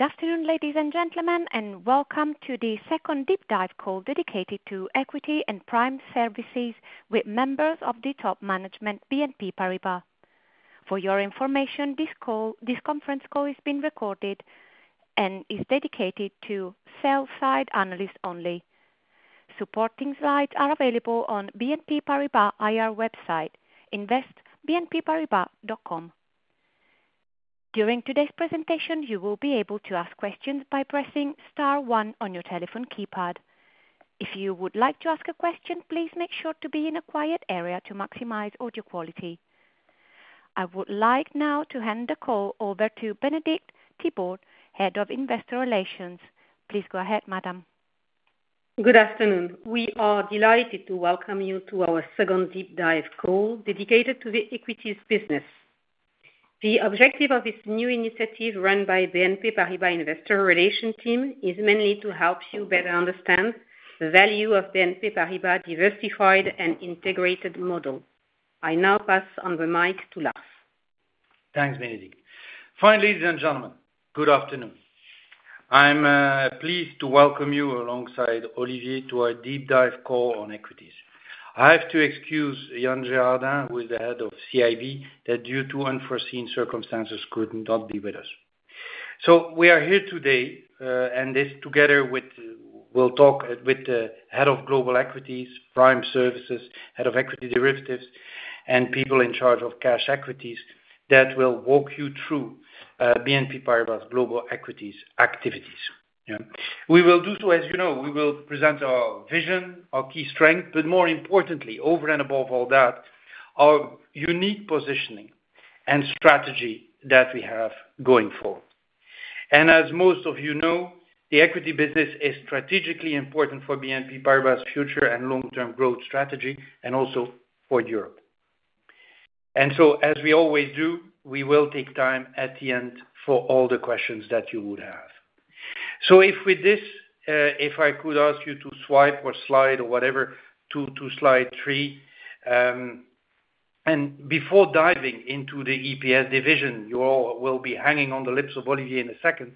Good afternoon, ladies and gentlemen, and welcome to the second deep dive call dedicated Equity and Prime Services with members of the top management BNP Paribas. For your information, this call, this conference call is being recorded and is dedicated to sell-side analysts only. Supporting slides are available on BNP Paribas IR website, investbnpparibas.com. During today's presentation, you will be able to ask questions by pressing star one on your telephone keypad. If you would like to ask a question, please make sure to be in a quiet area to maximize audio quality. I would like now to hand the call over to Bénédicte Thibault, Head of Investor Relations. Please go ahead, madam. Good afternoon. We are delighted to welcome you to our second deep dive call, dedicated to the equities business. The objective of this new initiative run by BNP Paribas Investor Relations team, is mainly to help you better understand the value of BNP Paribas' diversified and integrated model. I now pass on the mic to Lars. Thanks, Bénédicte. Finally, ladies and gentlemen, good afternoon. I'm pleased to welcome you alongside Olivier, to our deep dive call on equities. I have to excuse Yann Gérardin, who is the head of CIB, that due to unforeseen circumstances could not be with us. So we are here today, and this together with we'll talk with the head of Global Equities, Prime Services, head of Equity Derivatives, and people in charge of Cash Equities, that will walk you through BNP Paribas Global Equities activities. Yeah. We will do so, as you know, we will present our vision, our key strength, but more importantly, over and above all that, our unique positioning and strategy that we have going forward. And as most of you know, the equity business is strategically important for BNP Paribas' future and long-term growth strategy, and also for Europe. And so, as we always do, we will take time at the end for all the questions that you would have. So if with this, if I could ask you to swipe or slide or whatever, to slide three, and before diving into the EPS division, you all will be hanging on the lips of Olivier in a second.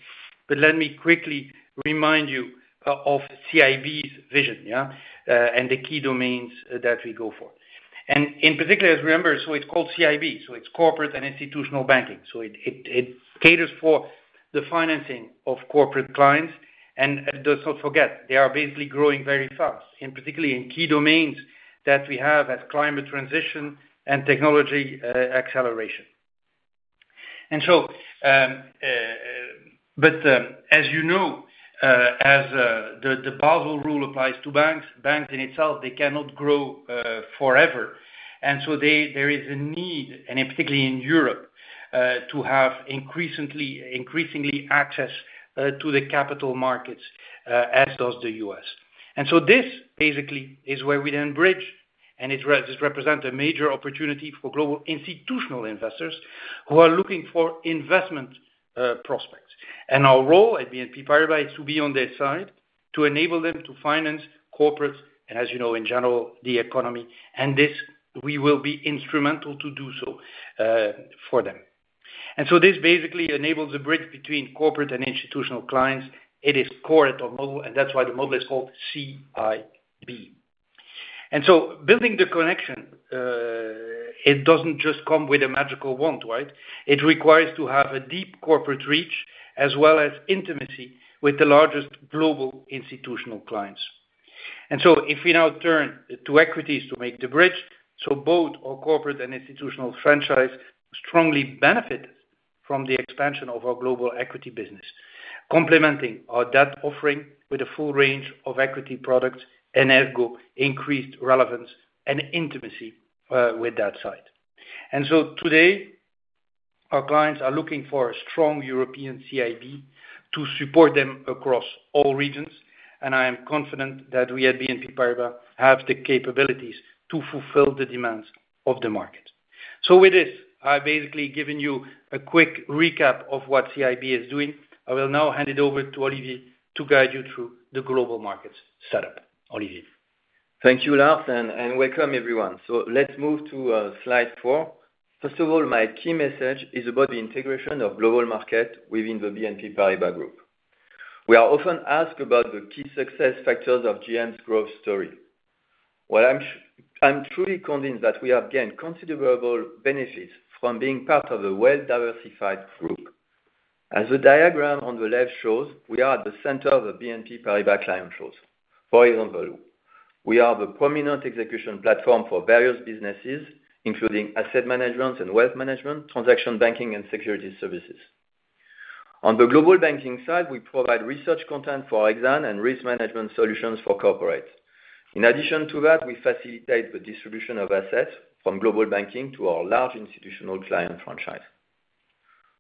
But let me quickly remind you of CIB's vision, yeah, and the key domains that we go for. And in particular, as we remember, so it's called CIB, so it's Corporate and Institutional Banking. So it caters for the financing of corporate clients. And let's not forget, they are basically growing very fast, and particularly in key domains that we have as climate transition and technology acceleration. As you know, the Basel Rule applies to banking in itself. They cannot grow forever. And so there is a need, and particularly in Europe, to have increasingly access to the capital markets, as does the US. And so this basically is where we then bridge, and it represents a major opportunity for global institutional investors who are looking for investment prospects. And our role at BNP Paribas is to be on their side, to enable them to finance corporates, and as you know, in general, the economy, and this we will be instrumental to do so for them. And so this basically enables a bridge between corporate and institutional clients. It is core to our model, and that's why the model is called CIB. Building the connection, it doesn't just come with a magical wand, right? It requires to have a deep corporate reach, as well as intimacy with the largest global institutional clients. If we now turn to equities to make the bridge, so both our corporate and institutional franchise strongly benefit from the expansion of our global equity business, complementing our debt offering with a full range of equity products, and ergo, increased relevance and intimacy with that side. Today, our clients are looking for a strong European CIB to support them across all regions, and I am confident that we at BNP Paribas have the capabilities to fulfill the demands of the market. With this, I've basically given you a quick recap of what CIB is doing. I will now hand it over to Olivier to guide you through the Global Markets setup. Olivier? Thank you, Lars, and welcome everyone. Let's move to slide four. First of all, my key message is about the integration of Global Markets within the BNP Paribas Group. We are often asked about the key success factors of GM's growth story. I'm truly convinced that we have gained considerable benefits from being part of a well-diversified group. As the diagram on the left shows, we are at the center of a BNP Paribas client base. For example, we are the prominent execution platform for various businesses, including Asset Management and Wealth Management, Transaction Banking and Securities Services. On the Global Banking side, we provide research content for Exane and risk management solutions for corporates. In addition to that, we facilitate the distribution of assets from Global Banking to our large institutional client franchise.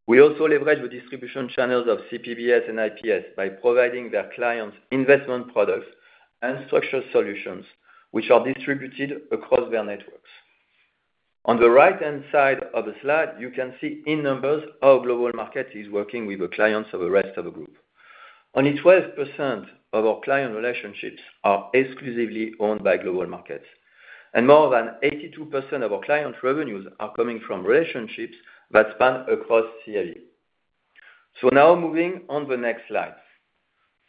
We also leverage the distribution channels of CPBS and IPS by providing their clients investment products and structured solutions, which are distributed across their networks. On the right-hand side of the slide, you can see in numbers, how Global Markets is working with the clients of the rest of the group. Only 12% of our client relationships are exclusively owned by Global Markets, and more than 82% of our client revenues are coming from relationships that span across CIB. Now moving on the next slide.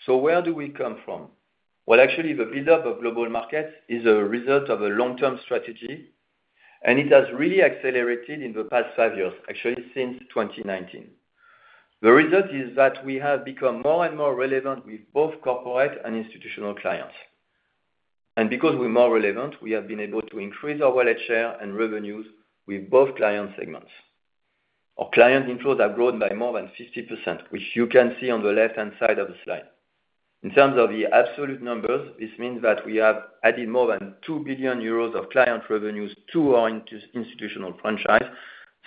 Where do we come from? Well, actually, the build-up of Global Markets is a result of a long-term strategy, and it has really accelerated in the past five years, actually, since 2019. The result is that we have become more and more relevant with both corporate and institutional clients. And because we're more relevant, we have been able to increase our wallet share and revenues with both client segments. Our client inflows have grown by more than 50%, which you can see on the left-hand side of the slide. In terms of the absolute numbers, this means that we have added more than 2 billion euros of client revenues to our institutional franchise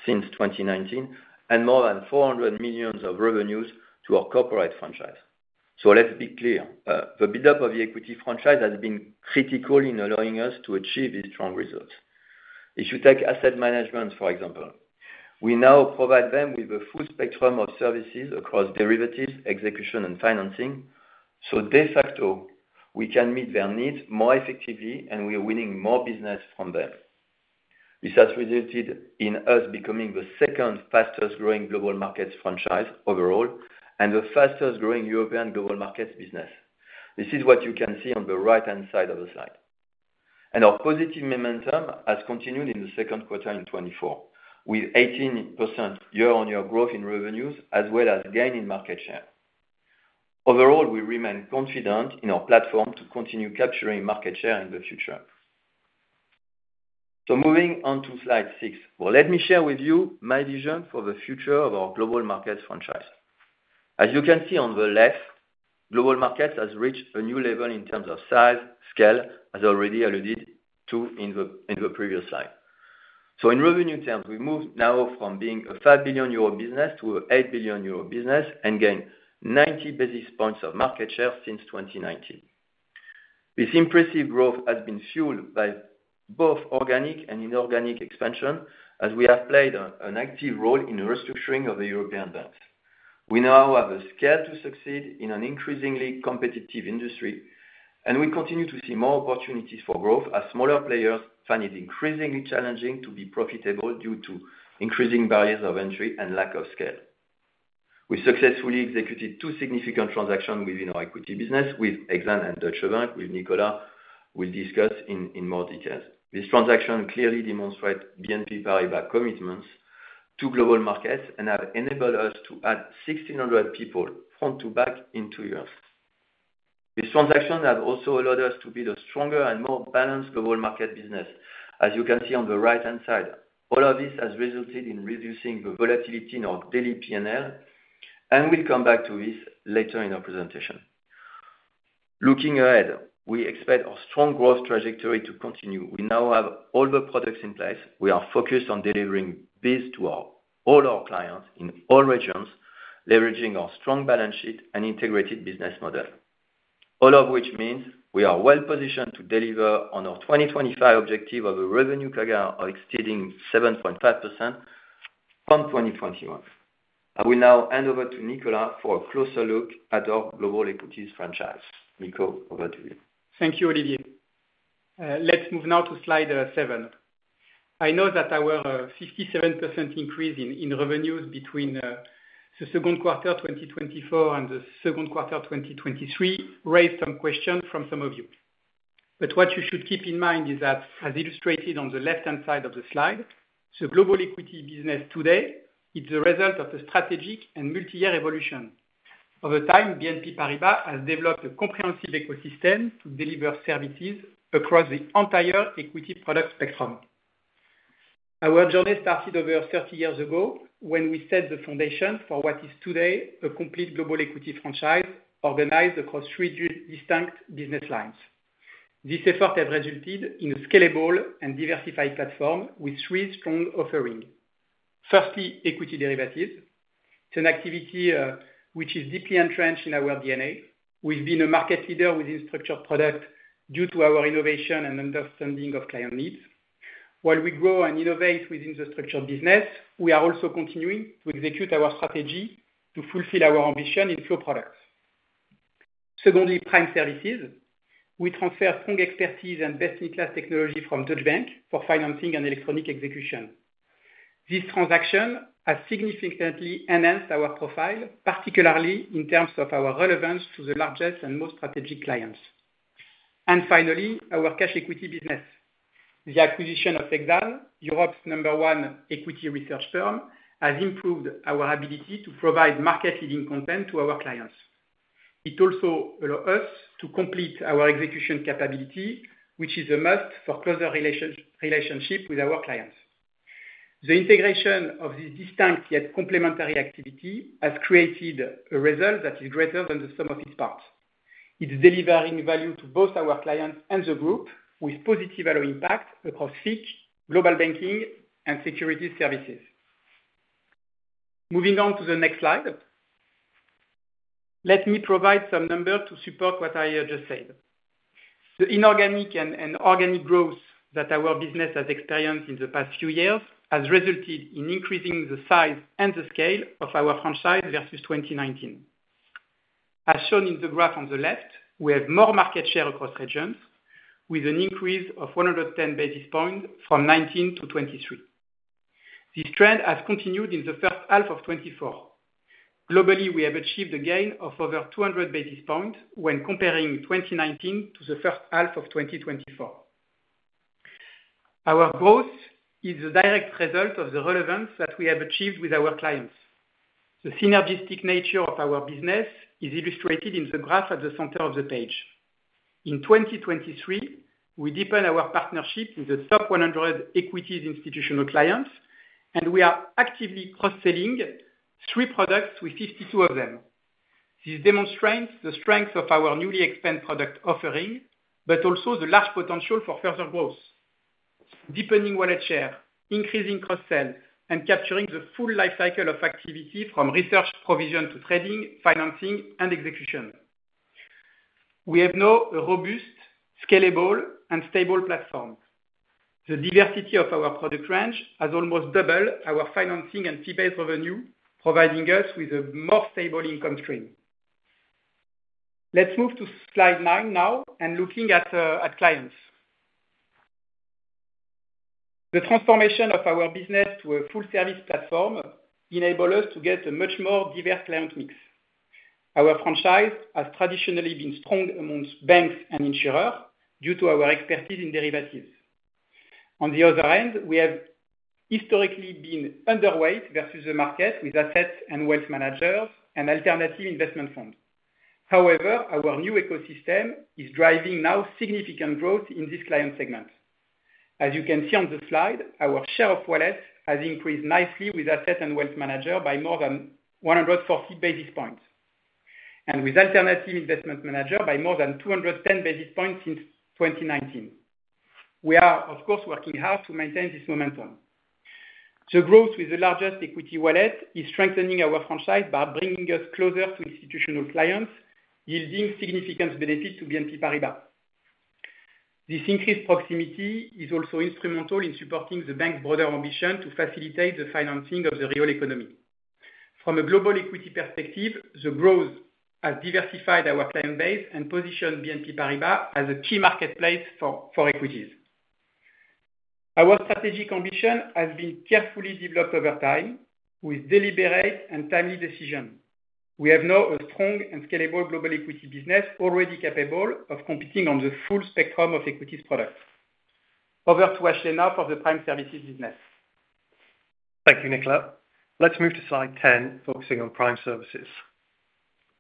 since 2019, and more than 400 million of revenues to our corporate franchise. So let's be clear, the build-up of the equity franchise has been critical in allowing us to achieve these strong results. If you take asset management, for example, we now provide them with a full spectrum of services across derivatives, execution, and financing. So de facto, we can meet their needs more effectively, and we are winning more business from them. This has resulted in us becoming the second fastest Global Markets franchise overall, and the fastest growing Global Markets business. This is what you can see on the right-hand side of the slide. And our positive momentum has continued in the second quarter in 2024, with 18% year-on-year growth in revenues, as well as gain in market share. Overall, we remain confident in our platform to continue capturing market share in the future. So moving on to slide six. Well, let me share with you my vision for the future of Global Markets franchise. As you can see on the Global Markets has reached a new level in terms of size, scale, as already alluded to in the previous slide. In revenue terms, we've moved now from being a 5 billion euro business to a 8 billion euro business and gained ninety basis points of market share since 2019. This impressive growth has been fueled by both organic and inorganic expansion, as we have played an active role in the restructuring of the European banks. We now have a scale to succeed in an increasingly competitive industry, and we continue to see more opportunities for growth as smaller players find it increasingly challenging to be profitable due to increasing barriers of entry and lack of scale. We successfully executed two significant transactions within our equity business with Exane and Deutsche Bank, with Nicolas will discuss in more details. This transaction clearly demonstrates BNP Paribas commitments Global Markets and have enabled us to add 1,600 people front to back in two years. This transaction has also allowed us to build a stronger and more balanced Global Markets business, as you can see on the right-hand side. All of this has resulted in reducing the volatility in our daily PNL, and we'll come back to this later in our presentation. Looking ahead, we expect our strong growth trajectory to continue. We now have all the products in place. We are focused on delivering this to our, all our clients in all regions, leveraging our strong balance sheet and integrated business model. All of which means we are well positioned to deliver on our twenty twenty-five objective of a revenue CAGR of exceeding 7.5% from twenty twenty-one. I will now hand over to Nicolas for a closer look at our global equities franchise. Nico, over to you. Thank you, Olivier. Let's move now to slide seven. I know that our 57% increase in revenues between the second quarter twenty twenty-four and the second quarter twenty twenty-three raised some questions from some of you. But what you should keep in mind is that, as illustrated on the left-hand side of the slide, the global equity business today is a result of a strategic and multi-year evolution. Over time, BNP Paribas has developed a comprehensive ecosystem to deliver services across the entire equity product spectrum. Our journey started over 30 years ago, when we set the foundation for what is today a complete global equity franchise organized across three distinct business lines. This effort has resulted in a scalable and diversified platform with three strong offerings. Firstly, equity derivatives. It's an activity which is deeply entrenched in our DNA. We've been a market leader within structured products due to our innovation and understanding of client needs. While we grow and innovate within the structured business, we are also continuing to execute our strategy to fulfill our ambition in flow products. Secondly, Prime Services. We transfer strong expertise and best-in-class technology from Deutsche Bank for financing and electronic execution. This transaction has significantly enhanced our profile, particularly in terms of our relevance to the largest and most strategic clients. And finally, our cash equity business. The acquisition of Exane, Europe's number one equity research firm, has improved our ability to provide market-leading content to our clients. It also allow us to complete our execution capability, which is a must for closer relationship with our clients. The integration of this distinct, yet complementary activity, has created a result that is greater than the sum of its parts. It's delivering value to both our clients and the group with positive value impact across FIC, global banking, and securities services. Moving on to the next slide. Let me provide some numbers to support what I just said. The inorganic and organic growth that our business has experienced in the past few years has resulted in increasing the size and the scale of our franchise versus 2019. As shown in the graph on the left, we have more market share across regions, with an increase of one hundred ten basis points from 2019 to 2023. This trend has continued in the first half of 2024. Globally, we have achieved a gain of over two hundred basis points when comparing 2019 to the first half of 2024. Our growth is a direct result of the relevance that we have achieved with our clients. The synergistic nature of our business is illustrated in the graph at the center of the page. In 2023, we deepened our partnership with the top 100 equities institutional clients, and we are actively cross-selling three products with 52 of them. This demonstrates the strength of our newly expanded product offering, but also the large potential for further growth, deepening wallet share, increasing cross-sell, and capturing the full life cycle of activity from research provision to trading, financing, and execution. We have now a robust, scalable, and stable platform. The diversity of our product range has almost doubled our financing and fee-based revenue, providing us with a more stable income stream. Let's move to slide nine now, and looking at clients. The transformation of our business to a full-service platform enabled us to get a much more diverse client mix. Our franchise has traditionally been strong among banks and insurers due to our expertise in derivatives. On the other hand, we have historically been underweight versus the market with asset and wealth managers and alternative investment funds. However, our new ecosystem is driving now significant growth in this client segment. As you can see on the slide, our share of wallet has increased nicely with asset and wealth managers by more than one hundred forty basis points, and with alternative investment managers by more than two hundred ten basis points since twenty nineteen. We are, of course, working hard to maintain this momentum. The growth with the largest equity wallet is strengthening our franchise by bringing us closer to institutional clients, yielding significant benefits to BNP Paribas. This increased proximity is also instrumental in supporting the bank's broader ambition to facilitate the financing of the real economy. From a global equity perspective, the growth has diversified our client base and positioned BNP Paribas as a key marketplace for equities. Our strategic ambition has been carefully developed over time with deliberate and timely decision. We have now a strong and scalable global equity business, already capable of competing on the full spectrum of equities products. Over to Ashley Wilson of the Prime Services business. Thank you, Nicolas. Let's move to slide ten, focusing on Prime Services.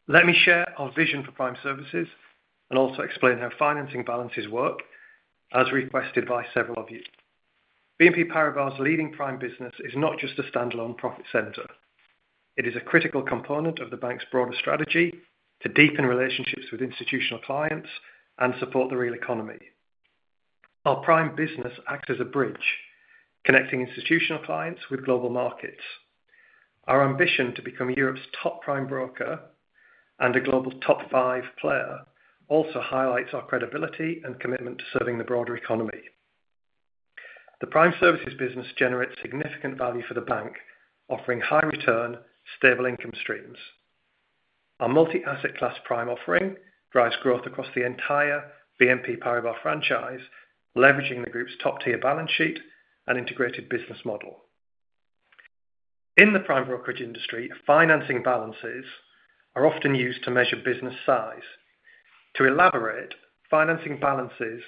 Let me share our vision for Prime Services and also explain how financing balances work, as requested by several of you. BNP Paribas's leading Prime business is not just a standalone profit center. It is a critical component of the bank's broader strategy to deepen relationships with institutional clients and support the real economy. Our Prime business acts as a bridge, connecting institutional clients Global Markets. Our ambition to become Europe's top Prime broker and a global top five player also highlights our credibility and commitment to serving the broader economy. The Prime Services business generates significant value for the bank, offering high return, stable income streams. Our multi-asset class Prime offering drives growth across the entire BNP Paribas franchise, leveraging the group's top-tier balance sheet and integrated business model. In the Prime brokerage industry, financing balances are often used to measure business size. To elaborate, financing balances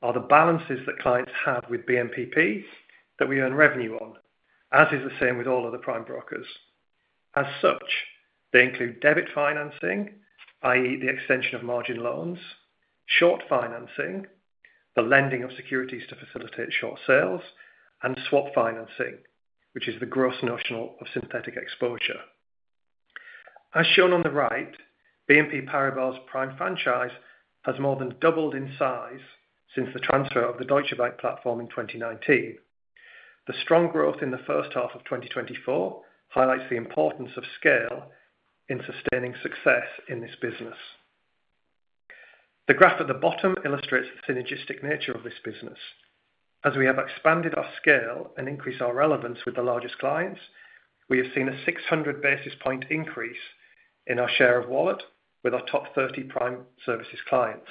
are the balances that clients have with BNPP that we earn revenue on, as is the same with all other Prime brokers. As such, they include debit financing, i.e., the extension of margin loans. Short financing, the lending of securities to facilitate short sales. And swap financing, which is the gross notional of synthetic exposure. As shown on the right, BNP Paribas' Prime franchise has more than doubled in size since the transfer of the Deutsche Bank platform in twenty nineteen. The strong growth in the first half of twenty twenty-four highlights the importance of scale in sustaining success in this business. The graph at the bottom illustrates the synergistic nature of this business. As we have expanded our scale and increased our relevance with the largest clients, we have seen a 600 basis point increase in our share of wallet with our top 30 Prime Services clients.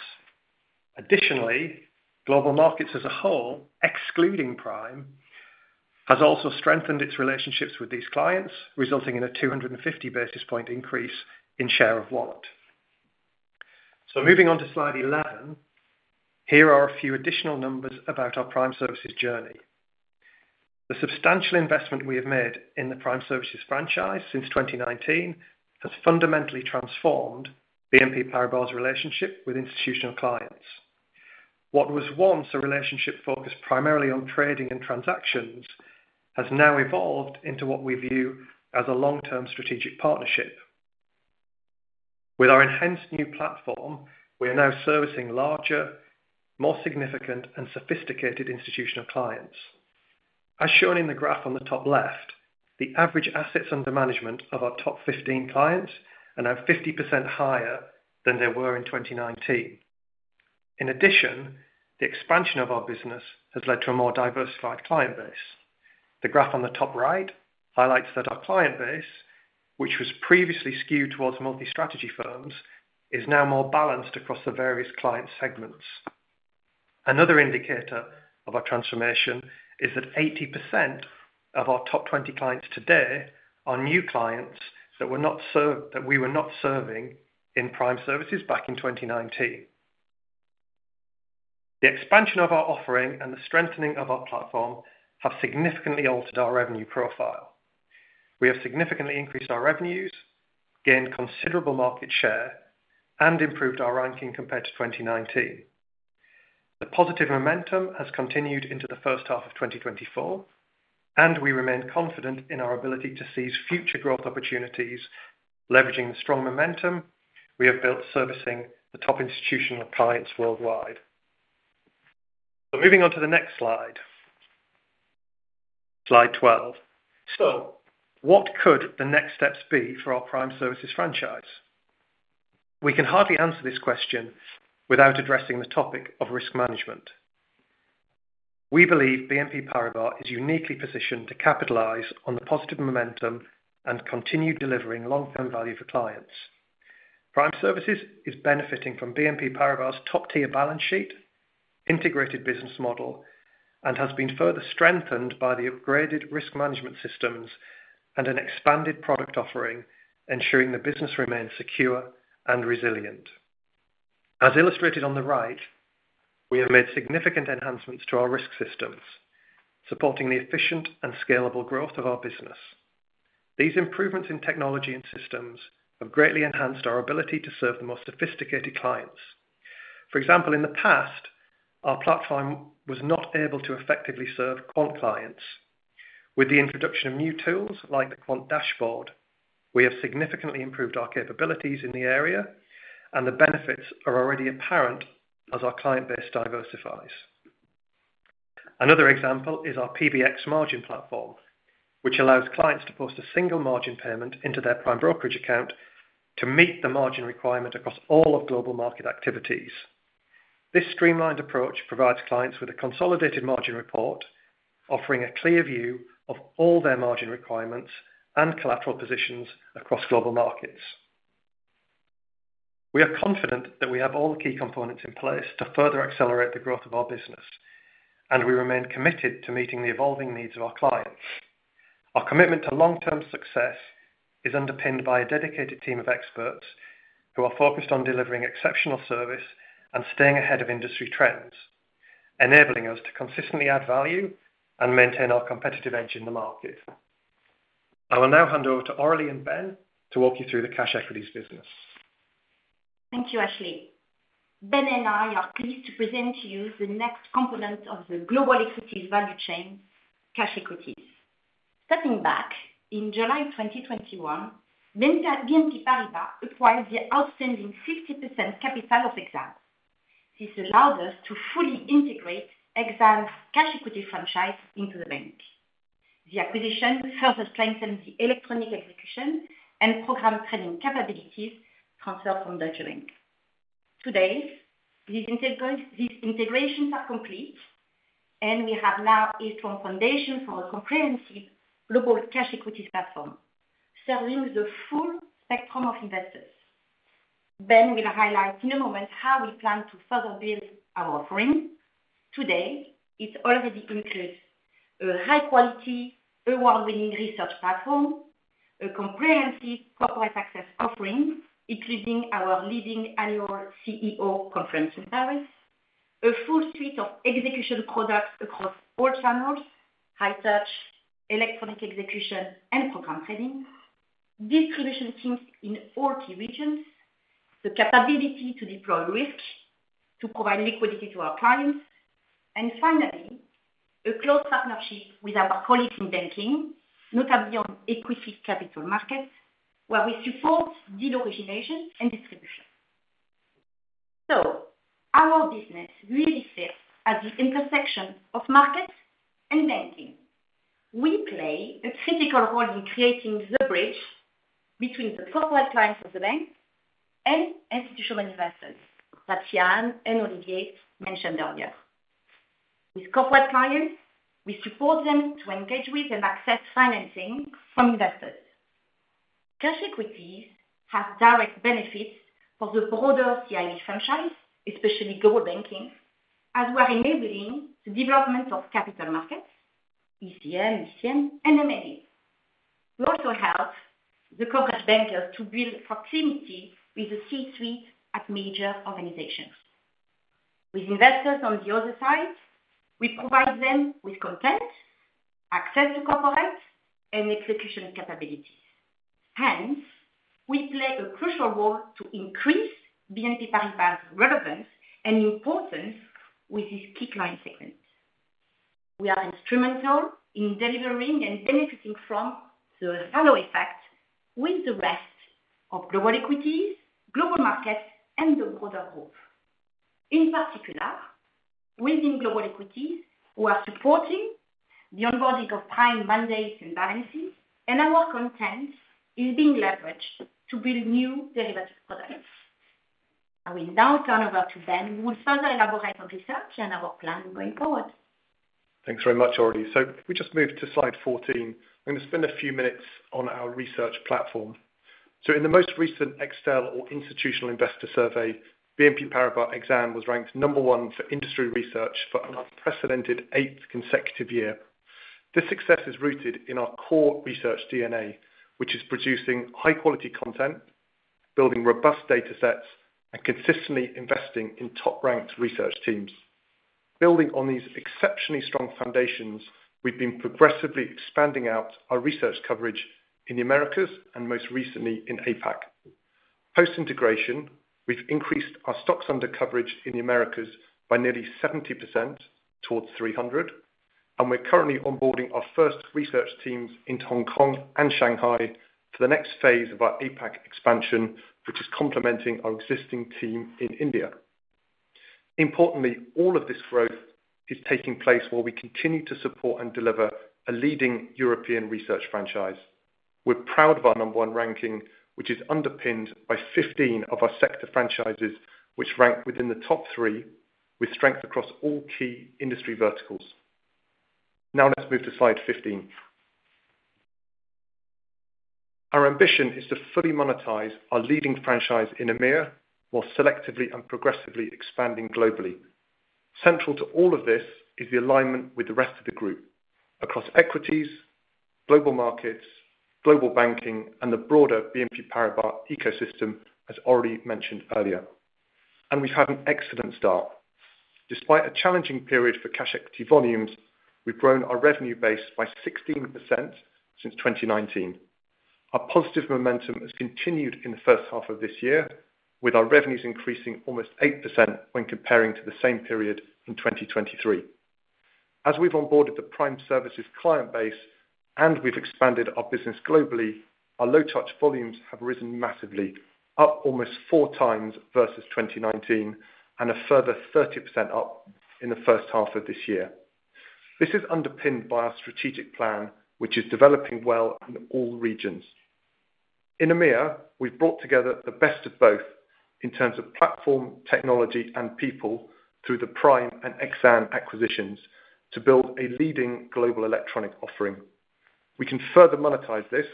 Global Markets as a whole, excluding Prime, has also strengthened its relationships with these clients, resulting in a 250 basis point increase in share of wallet. So moving on to slide 11, here are a few additional numbers about our Prime Services journey. The substantial investment we have made in the Prime Services franchise since 2019 has fundamentally transformed BNP Paribas' relationship with institutional clients. What was once a relationship focused primarily on trading and transactions, has now evolved into what we view as a long-term strategic partnership. With our enhanced new platform, we are now servicing larger, more significant, and sophisticated institutional clients. As shown in the graph on the top left, the average assets under management of our top fifteen clients are now 50% higher than they were in 2019. In addition, the expansion of our business has led to a more diversified client base. The graph on the top right highlights that our client base, which was previously skewed towards multi-strategy firms, is now more balanced across the various client segments. Another indicator of our transformation is that 80% of our top twenty clients today are new clients that were not served, that we were not serving in Prime Services back in 2019. The expansion of our offering and the strengthening of our platform have significantly altered our revenue profile. We have significantly increased our revenues, gained considerable market share, and improved our ranking compared to 2019. The positive momentum has continued into the first half of 2024, and we remain confident in our ability to seize future growth opportunities, leveraging the strong momentum we have built servicing the top institutional clients worldwide. So moving on to the next slide, slide 12. So what could the next steps be for our Prime Services franchise? We can hardly answer this question without addressing the topic of risk management. We believe BNP Paribas is uniquely positioned to capitalize on the positive momentum and continue delivering long-term value for clients. Prime Services is benefiting from BNP Paribas' top-tier balance sheet, integrated business model, and has been further strengthened by the upgraded risk management systems and an expanded product offering, ensuring the business remains secure and resilient. As illustrated on the right, we have made significant enhancements to our risk systems, supporting the efficient and scalable growth of our business. These improvements in technology and systems have greatly enhanced our ability to serve the most sophisticated clients. For example, in the past, our platform was not able to effectively serve quant clients. With the introduction of new tools, like the Quant Dashboard, we have significantly improved our capabilities in the area, and the benefits are already apparent as our client base diversifies. Another example is our PBX Margin platform, which allows clients to post a single margin payment into their prime brokerage account to meet the margin requirement across all of Global Markets activities. This streamlined approach provides clients with a consolidated margin report, offering a clear view of all their margin requirements and collateral positions across Global Markets. We are confident that we have all the key components in place to further accelerate the growth of our business, and we remain committed to meeting the evolving needs of our clients. Our commitment to long-term success is underpinned by a dedicated team of experts who are focused on delivering exceptional service and staying ahead of industry trends, enabling us to consistently add value and maintain our competitive edge in the market. I will now hand over to Aurélie and Ben to walk you through the Cash Equities business. Thank you, Ashley. Ben and I are pleased to present to you the next component of the global equities value chain, Cash Equities. Stepping back, in July twenty twenty-one, BNP, BNP Paribas acquired the outstanding 50% capital of Exane. This allowed us to fully integrate Exane's cash equity franchise into the bank. The acquisition further strengthened the electronic execution and program trading capabilities transferred from Deutsche Bank. Today, these integrations are complete, and we have now a strong foundation for a comprehensive global cash equity platform, serving the full spectrum of investors. Ben will highlight in a moment how we plan to further build our offering. Today, it already includes a high quality, award-winning research platform, a comprehensive corporate access offering, including our leading annual CEO conference in Paris, a full suite of execution products across all channels, high touch, electronic execution, and program trading. Distribution teams in all key regions, the capability to deploy risk, to provide liquidity to our clients, and finally, a close partnership with our colleagues in banking, notably on equity capital markets, where we support deal origination and distribution, so our business really sits at the intersection of markets and banking. We play a critical role in creating the bridge between the corporate clients of the bank and institutional investors that Yann and Olivier mentioned earlier. With corporate clients, we support them to engage with and access financing from investors. Cash equities have direct benefits for the broader CIB franchise, especially global banking, as we are enabling the development of capital markets, ECM, ECM, and M&A. We also help the corporate bankers to build proximity with the C-suite at major organizations. With investors on the other side, we provide them with content, access to corporate, and execution capabilities. Hence, we play a crucial role to increase BNP Paribas' relevance and importance with this key client segment. We are instrumental in delivering and benefiting from the halo effect with the rest of Global Equities, Global Markets, and the broader group.... In particular, within Global Equities, we are supporting the onboarding of prime mandates and balances, and our content is being leveraged to build new derivative products. I will now turn over to Ben, who will further elaborate on research and our plan going forward. Thanks very much, Aurélie. So if we just move to slide fourteen, I'm gonna spend a few minutes on our research platform. So in the most recent Extel or Institutional Investor Survey, BNP Paribas Exane was ranked number one for industry research for an unprecedented eighth consecutive year. This success is rooted in our core research DNA, which is producing high-quality content, building robust data sets, and consistently investing in top-ranked research teams. Building on these exceptionally strong foundations, we've been progressively expanding out our research coverage in the Americas, and most recently in APAC. Post-integration, we've increased our stocks under coverage in the Americas by nearly 70%, towards 300, and we're currently onboarding our first research teams in Hong Kong and Shanghai for the next phase of our APAC expansion, which is complementing our existing team in India. Importantly, all of this growth is taking place while we continue to support and deliver a leading European research franchise. We're proud of our number one ranking, which is underpinned by fifteen of our sector franchises, which rank within the top three, with strength across all key industry verticals. Now let's move to slide fifteen. Our ambition is to fully monetize our leading franchise in EMEA, while selectively and progressively expanding globally. Central to all of this is the alignment with the rest of the group, across Global Markets, global banking, and the broader BNP Paribas ecosystem, as Aurélie mentioned earlier, and we've had an excellent start. Despite a challenging period for cash equity volumes, we've grown our revenue base by 16% since 2019. Our positive momentum has continued in the first half of this year, with our revenues increasing almost 8% when comparing to the same period in 2023. As we've onboarded the Prime Services client base, and we've expanded our business globally, our low touch volumes have risen massively, up almost four times versus 2019, and a further 30% up in the first half of this year. This is underpinned by our strategic plan, which is developing well in all regions. In EMEA, we've brought together the best of both, in terms of platform, technology, and people, through the Prime and Exane acquisitions, to build a leading global electronic offering. We can further monetize this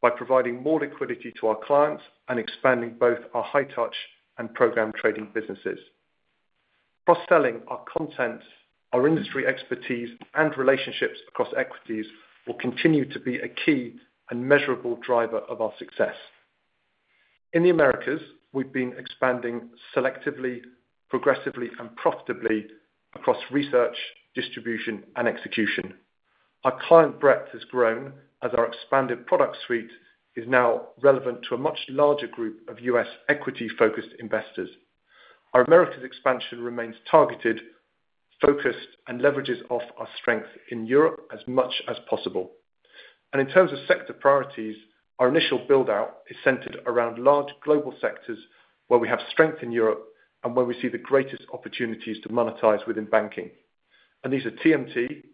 by providing more liquidity to our clients and expanding both our high touch and program trading businesses. Cross-selling our content, our industry expertise, and relationships across equities, will continue to be a key and measurable driver of our success. In the Americas, we've been expanding selectively, progressively, and profitably across research, distribution, and execution. Our client breadth has grown, as our expanded product suite is now relevant to a much larger group of U.S. equity-focused investors. Our Americas expansion remains targeted, focused, and leverages off our strength in Europe as much as possible, and in terms of sector priorities, our initial build-out is centered around large global sectors where we have strength in Europe and where we see the greatest opportunities to monetize within banking, and these are TMT,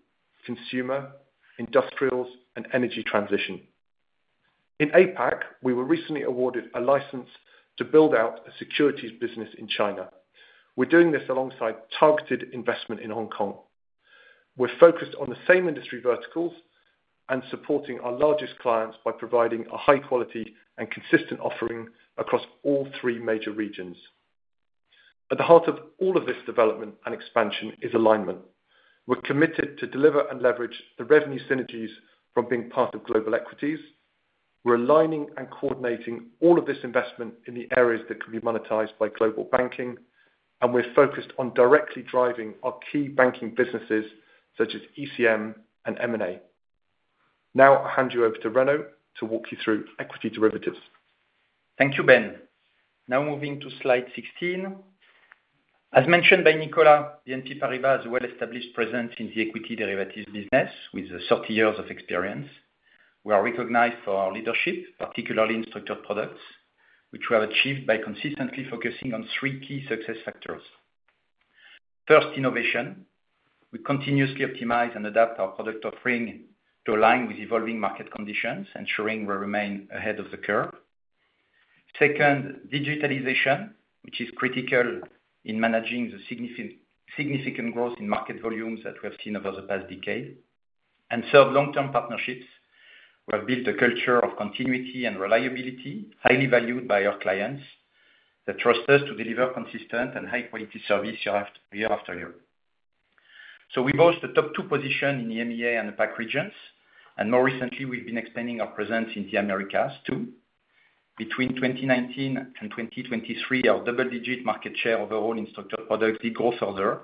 consumer, industrials, and energy transition. In APAC, we were recently awarded a license to build out a securities business in China. We're doing this alongside targeted investment in Hong Kong. We're focused on the same industry verticals and supporting our largest clients by providing a high quality and consistent offering across all three major regions. At the heart of all of this development and expansion is alignment. We're committed to deliver and leverage the revenue synergies from being part of Global Equities. We're aligning and coordinating all of this investment in the areas that can be monetized by global banking, and we're focused on directly driving our key banking businesses, such as ECM and M&A. Now I'll hand you over to Renaud to walk you through Equity Derivatives. Thank you, Ben. Now moving to slide 16. As mentioned by Nicolas, BNP Paribas has a well-established presence in the equity derivatives business, with 30 years of experience. We are recognized for our leadership, particularly in structured products, which we have achieved by consistently focusing on three key success factors. First, innovation. We continuously optimize and adapt our product offering to align with evolving market conditions, ensuring we remain ahead of the curve. Second, digitalization, which is critical in managing the significant growth in market volumes that we have seen over the past decade, and third, long-term partnerships. We have built a culture of continuity and reliability, highly valued by our clients, that trust us to deliver consistent and high-quality service year after year. So we boast the top two position in the EMEA and APAC regions, and more recently, we've been expanding our presence in the Americas, too. Between twenty nineteen and twenty twenty-three, our double-digit market share overall in structured products did grow further,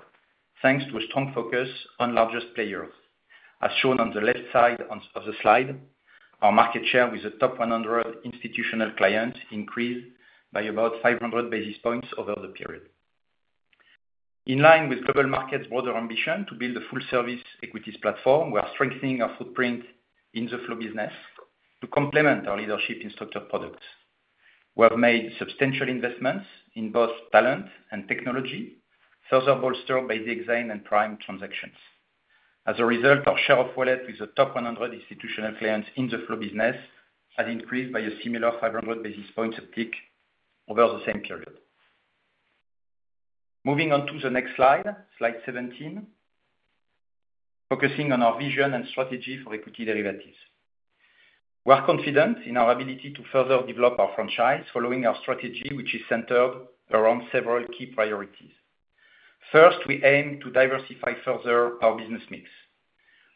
thanks to a strong focus on largest players. As shown on the left side of the slide, our market share with the top 100 institutional clients increased by about 500 basis points over the period. In line Global Markets' broader ambition to build a full service equities platform, we are strengthening our footprint in the flow business.... to complement our leadership in structured products. We have made substantial investments in both talent and technology, further bolstered by the Exane and prime transactions. As a result, our share of wallet with the top 100 institutional clients in the flow business has increased by a similar 500 basis points off peak over the same period. Moving on to the next slide, slide 17, focusing on our vision and strategy for equity derivatives. We are confident in our ability to further develop our franchise following our strategy, which is centered around several key priorities. First, we aim to diversify further our business mix.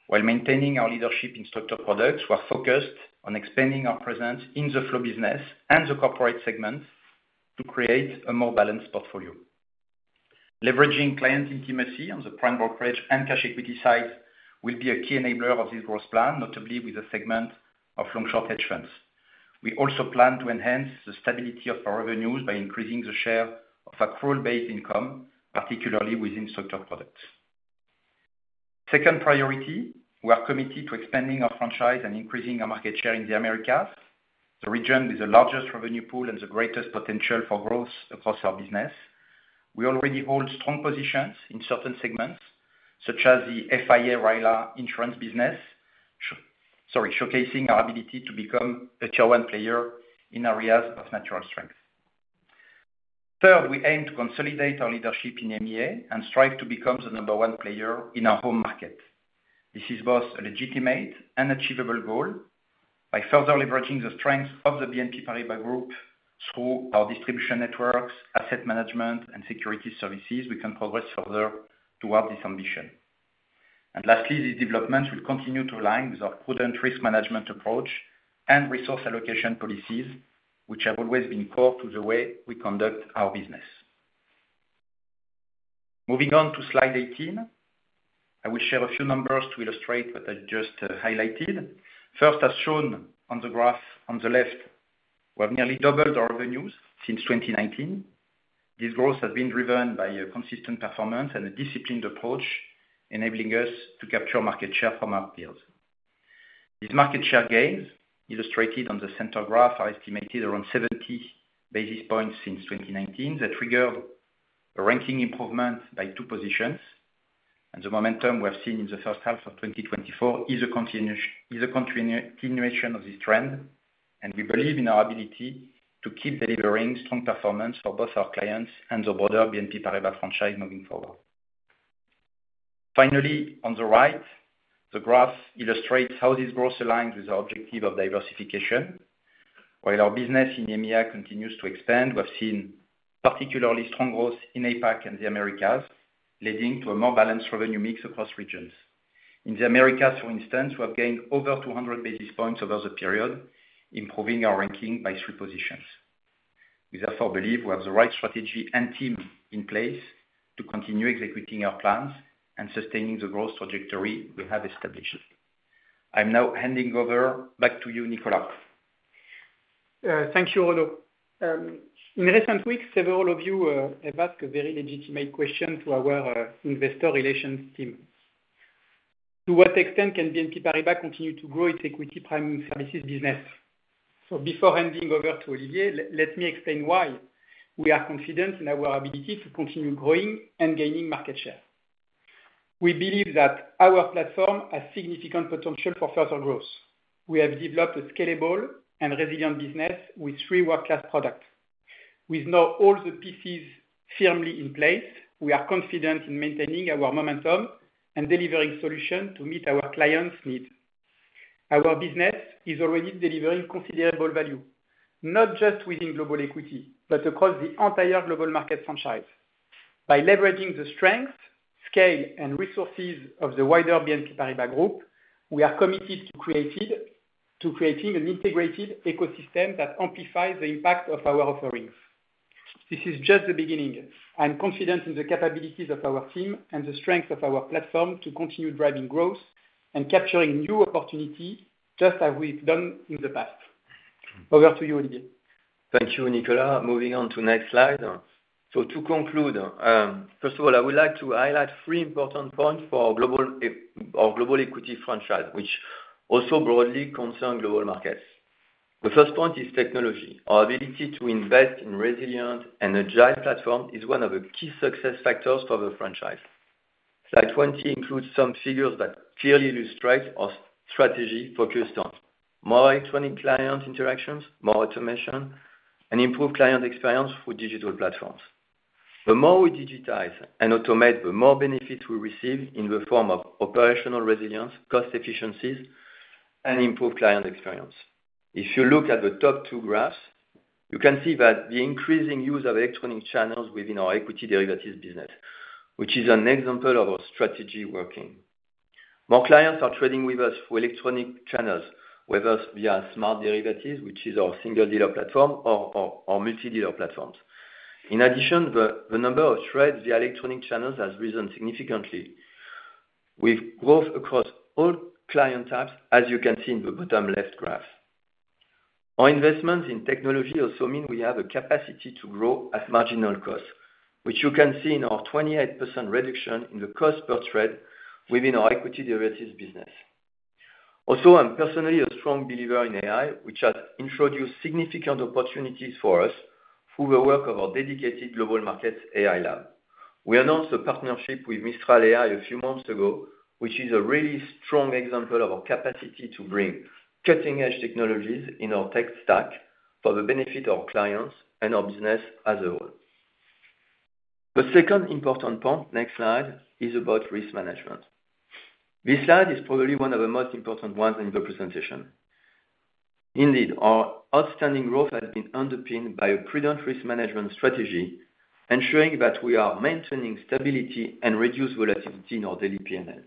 While maintaining our leadership in structured products, we are focused on expanding our presence in the flow business and the corporate segment to create a more balanced portfolio. Leveraging client intimacy on the prime brokerage and cash equity side will be a key enabler of this growth plan, notably with a segment of long-short hedge funds. We also plan to enhance the stability of our revenues by increasing the share of accrual-based income, particularly within structured products. Second priority, we are committed to expanding our franchise and increasing our market share in the Americas, the region with the largest revenue pool and the greatest potential for growth across our business. We already hold strong positions in certain segments, such as the FIA, RILA, insurance business, showcasing our ability to become a tier one player in areas of natural strength. Third, we aim to consolidate our leadership in EMEA and strive to become the number one player in our home market. This is both a legitimate and achievable goal. By further leveraging the strength of the BNP Paribas group through our distribution networks, asset management, and securities services, we can progress further toward this ambition. And lastly, these developments will continue to align with our prudent risk management approach and resource allocation policies, which have always been core to the way we conduct our business. Moving on to slide 18, I will share a few numbers to illustrate what I just highlighted. First, as shown on the graph on the left, we have nearly doubled our revenues since 2019. This growth has been driven by a consistent performance and a disciplined approach, enabling us to capture market share from our peers. This market share gains, illustrated on the center graph, are estimated around seventy basis points since 2019. That triggered a ranking improvement by two positions, and the momentum we have seen in the first half of 2024 is a continuation of this trend, and we believe in our ability to keep delivering strong performance for both our clients and the broader BNP Paribas franchise moving forward. Finally, on the right, the graph illustrates how this growth aligns with our objective of diversification. While our business in EMEA continues to expand, we have seen particularly strong growth in APAC and the Americas, leading to a more balanced revenue mix across regions. In the Americas, for instance, we have gained over two hundred basis points over the period, improving our ranking by three positions. We therefore believe we have the right strategy and team in place to continue executing our plans and sustaining the growth trajectory we have established. I'm now handing over back to you, Nicolas. Thank you, Renaud. In recent weeks, several of you have asked a very legitimate question to our investor relations team: To what extent can BNP Paribas continue to grow its equity Prime Services business? Before handing over to Olivier, let me explain why we are confident in our ability to continue growing and gaining market share. We believe that our platform has significant potential for further growth. We have developed a scalable and resilient business with three world-class products. With now all the pieces firmly in place, we are confident in maintaining our momentum and delivering solution to meet our clients' needs. Our business is already delivering considerable value, not just within global equity, but across the entire Global Markets franchise. By leveraging the strength, scale, and resources of the wider BNP Paribas group, we are committed to creating an integrated ecosystem that amplifies the impact of our offerings. This is just the beginning. I'm confident in the capabilities of our team and the strength of our platform to continue driving growth and capturing new opportunity, just as we've done in the past. Over to you, Olivier. Thank you, Nicolas. Moving on to next slide. So to conclude, first of all, I would like to highlight three important points for our global equity franchise, which also broadly Global Markets. The first point is technology. Our ability to invest in resilient and agile platform is one of the key success factors for the franchise. Slide 20 includes some figures that clearly illustrate our strategy focused on more electronic client interactions, more automation, and improved client experience with digital platforms. The more we digitize and automate, the more benefits we receive in the form of operational resilience, cost efficiencies, and improved client experience. If you look at the top two graphs, you can see that the increasing use of electronic channels within our equity derivatives business, which is an example of our strategy working. More clients are trading with us through electronic channels, whether via Smart Derivatives, which is our single dealer platform or multi-dealer platforms. In addition, the number of trades via electronic channels has risen significantly with growth across all client types, as you can see in the bottom left graph.... Our investments in technology also mean we have a capacity to grow at marginal cost, which you can see in our 28% reduction in the cost per trade within our equity derivatives business. Also, I'm personally a strong believer in AI, which has introduced significant opportunities for us through the work of our Global Markets AI lab. We announced a partnership with Mistral AI a few months ago, which is a really strong example of our capacity to bring cutting-edge technologies in our tech stack for the benefit of our clients and our business as a whole. The second important point, next slide, is about risk management. This slide is probably one of the most important ones in the presentation. Indeed, our outstanding growth has been underpinned by a prudent risk management strategy, ensuring that we are maintaining stability and reduced volatility in our daily PNL.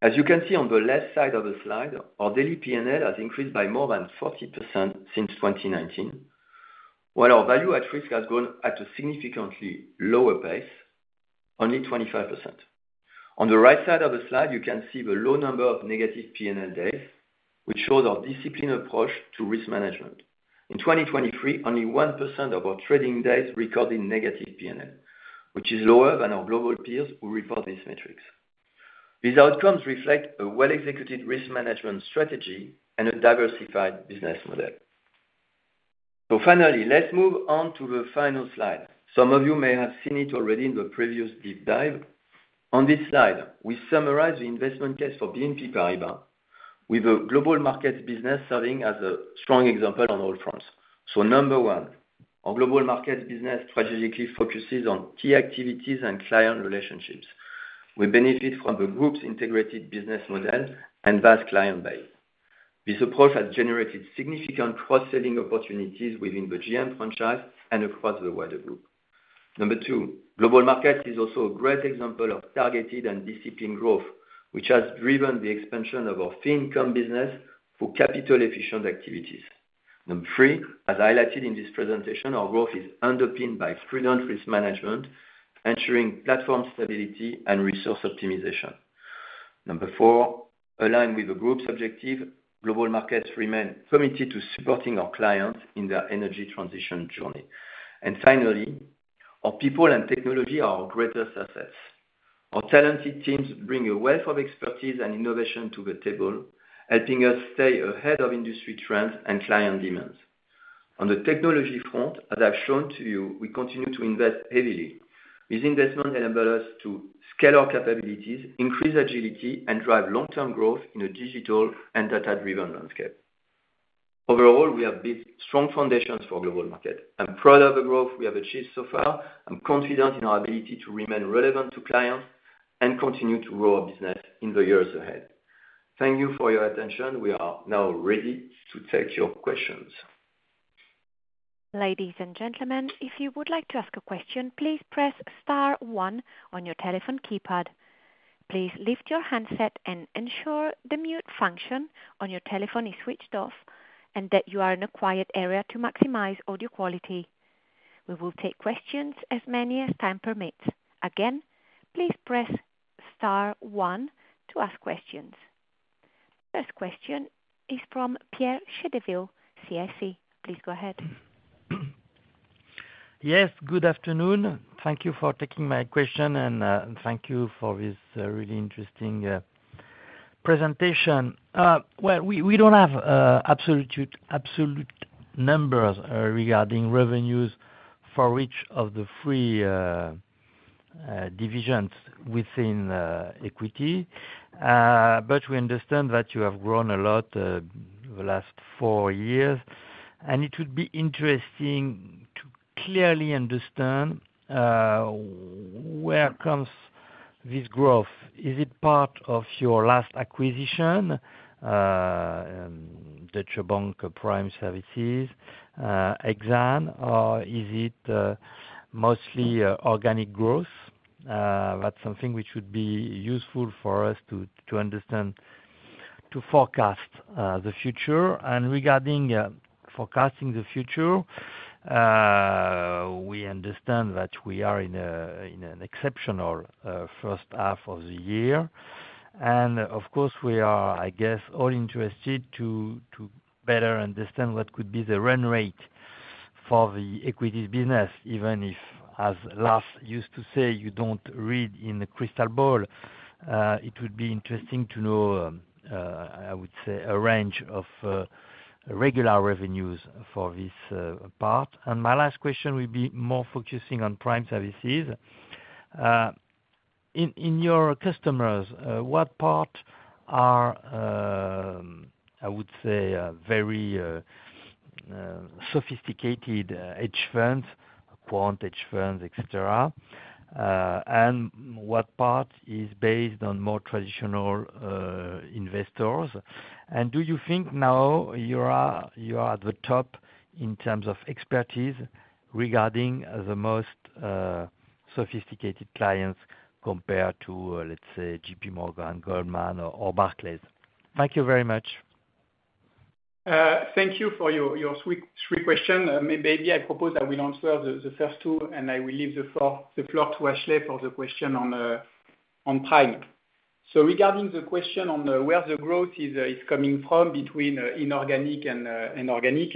As you can see on the left side of the slide, our daily PNL has increased by more than 40% since 2019, while our value at risk has grown at a significantly lower pace, only 25%. On the right side of the slide, you can see the low number of negative PNL days, which shows our disciplined approach to risk management. In 2023, only 1% of our trading days recorded negative PNL, which is lower than our global peers who report these metrics. These outcomes reflect a well-executed risk management strategy and a diversified business model. So finally, let's move on to the final slide. Some of you may have seen it already in the previous deep dive. On this slide, we summarize the investment case for BNP Paribas, with Global Markets business serving as a strong example on all fronts. Number one, our Global Markets business strategically focuses on key activities and client relationships. We benefit from the group's integrated business model and vast client base. This approach has generated significant cross-selling opportunities within the GM franchise and across the wider group. Number two, Global Markets is also a great example of targeted and disciplined growth, which has driven the expansion of our fee income business for capital-efficient activities. Number three, as highlighted in this presentation, our growth is underpinned by prudent risk management, ensuring platform stability and resource optimization. Number four, aligned with the group's objective, Global Markets remain committed to supporting our clients in their energy transition journey. Finally, our people and technology are our greatest assets. Our talented teams bring a wealth of expertise and innovation to the table, helping us stay ahead of industry trends and client demands. On the technology front, as I've shown to you, we continue to invest heavily. This investment enables us to scale our capabilities, increase agility, and drive long-term growth in a digital and data-driven landscape. Overall, we have built strong foundations for Global Markets. I'm proud of the growth we have achieved so far. I'm confident in our ability to remain relevant to clients and continue to grow our business in the years ahead. Thank you for your attention. We are now ready to take your questions. Ladies and gentlemen, if you would like to ask a question, please press star one on your telephone keypad. Please lift your handset and ensure the mute function on your telephone is switched off, and that you are in a quiet area to maximize audio quality. We will take questions as many as time permits. Again, please press star one to ask questions. First question is from Pierre Chedeville, CIC Market Solutions. Please go ahead. Yes, good afternoon. Thank you for taking my question, and thank you for this really interesting presentation. Well, we don't have absolute, absolute numbers regarding revenues for each of the three divisions within equity. But we understand that you have grown a lot the last four years, and it would be interesting to clearly understand where comes this growth? Is it part of your last acquisition, Deutsche Bank Prime Services, Exane, or is it mostly organic growth? That's something which would be useful for us to understand, to forecast the future. And regarding forecasting the future, we understand that we are in an exceptional first half of the year. Of course, we are, I guess, all interested to better understand what could be the run rate for the equities business, even if, as Lars used to say, "You don't read in a crystal ball." It would be interesting to know, I would say, a range of regular revenues for this part. My last question will be more focusing on Prime Services. In your customers, what part are, I would say, a very sophisticated hedge funds, quant hedge funds, et cetera, and what part is based on more traditional investors? Do you think now you are at the top in terms of expertise regarding the most sophisticated clients compared to, let's say, J.P. Morgan, Goldman, or Barclays? Thank you very much. Thank you for your three questions. Maybe I propose that we answer the first two, and I will leave the floor to Ashley for the question on prime.... So regarding the question on where the growth is coming from between inorganic and organic.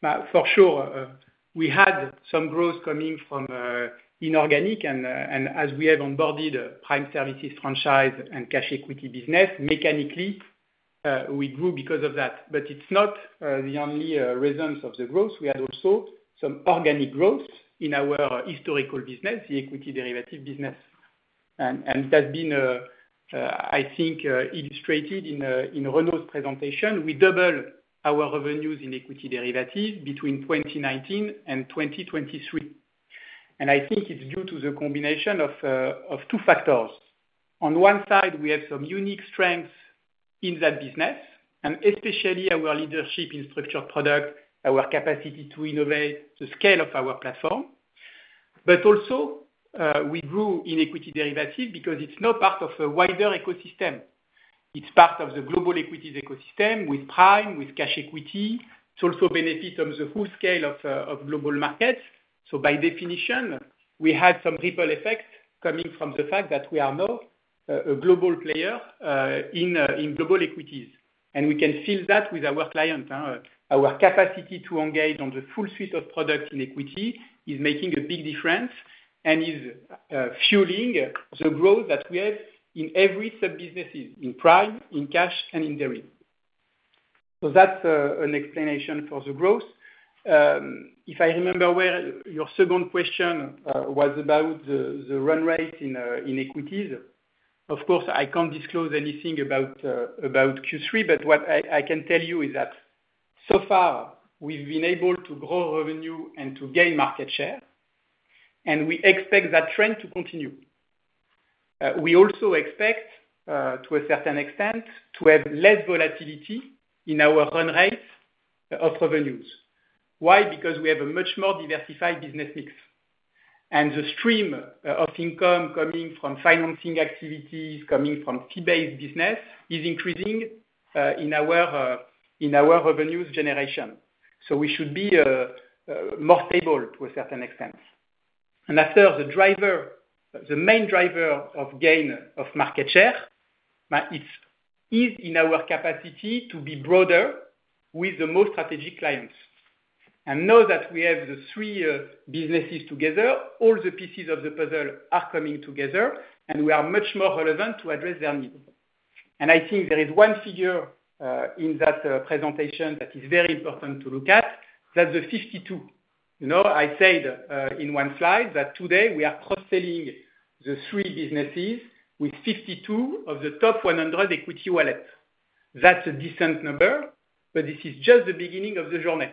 For sure, we had some growth coming from inorganic and as we have onboarded Prime Services franchise and cash equity business, mechanically, we grew because of that. But it's not the only reasons of the growth. We had also some organic growth in our historical business, the equity derivative business. And that's been, I think, illustrated in Renaud's presentation. We double our revenues in equity derivatives between 2019 and 2023. And I think it's due to the combination of two factors. On one side, we have some unique strengths in that business, and especially our leadership in structured product, our capacity to innovate, the scale of our platform. But also, we grew in equity derivative because it's not part of a wider ecosystem. It's part of the global equities ecosystem with Prime, with cash equity. It's also benefit from the full scale Global Markets. So by definition, we had some ripple effects coming from the fact that we are now a global player in global equities, and we can feel that with our client. Our capacity to engage on the full suite of products in equity is making a big difference, and is fueling the growth that we have in every sub-businesses, in Prime, in cash, and in deriv. So that's an explanation for the growth. If I remember well, your second question was about the run rate in equities. Of course, I can't disclose anything about Q3, but what I can tell you is that so far, we've been able to grow revenue and to gain market share, and we expect that trend to continue. We also expect, to a certain extent, to have less volatility in our run rate of revenues. Why? Because we have a much more diversified business mix, and the stream of income coming from financing activities, coming from fee-based business, is increasing in our revenues generation. So we should be more stable to a certain extent. And the main driver of gain of market share is in our capacity to be broader with the most strategic clients. And now that we have the three businesses together, all the pieces of the puzzle are coming together, and we are much more relevant to address their needs. I think there is one figure in that presentation that is very important to look at, that's the fifty-two. You know, I said in one slide, that today we are cross-selling the three businesses with fifty-two of the top one hundred equity wallets. That's a decent number, but this is just the beginning of the journey.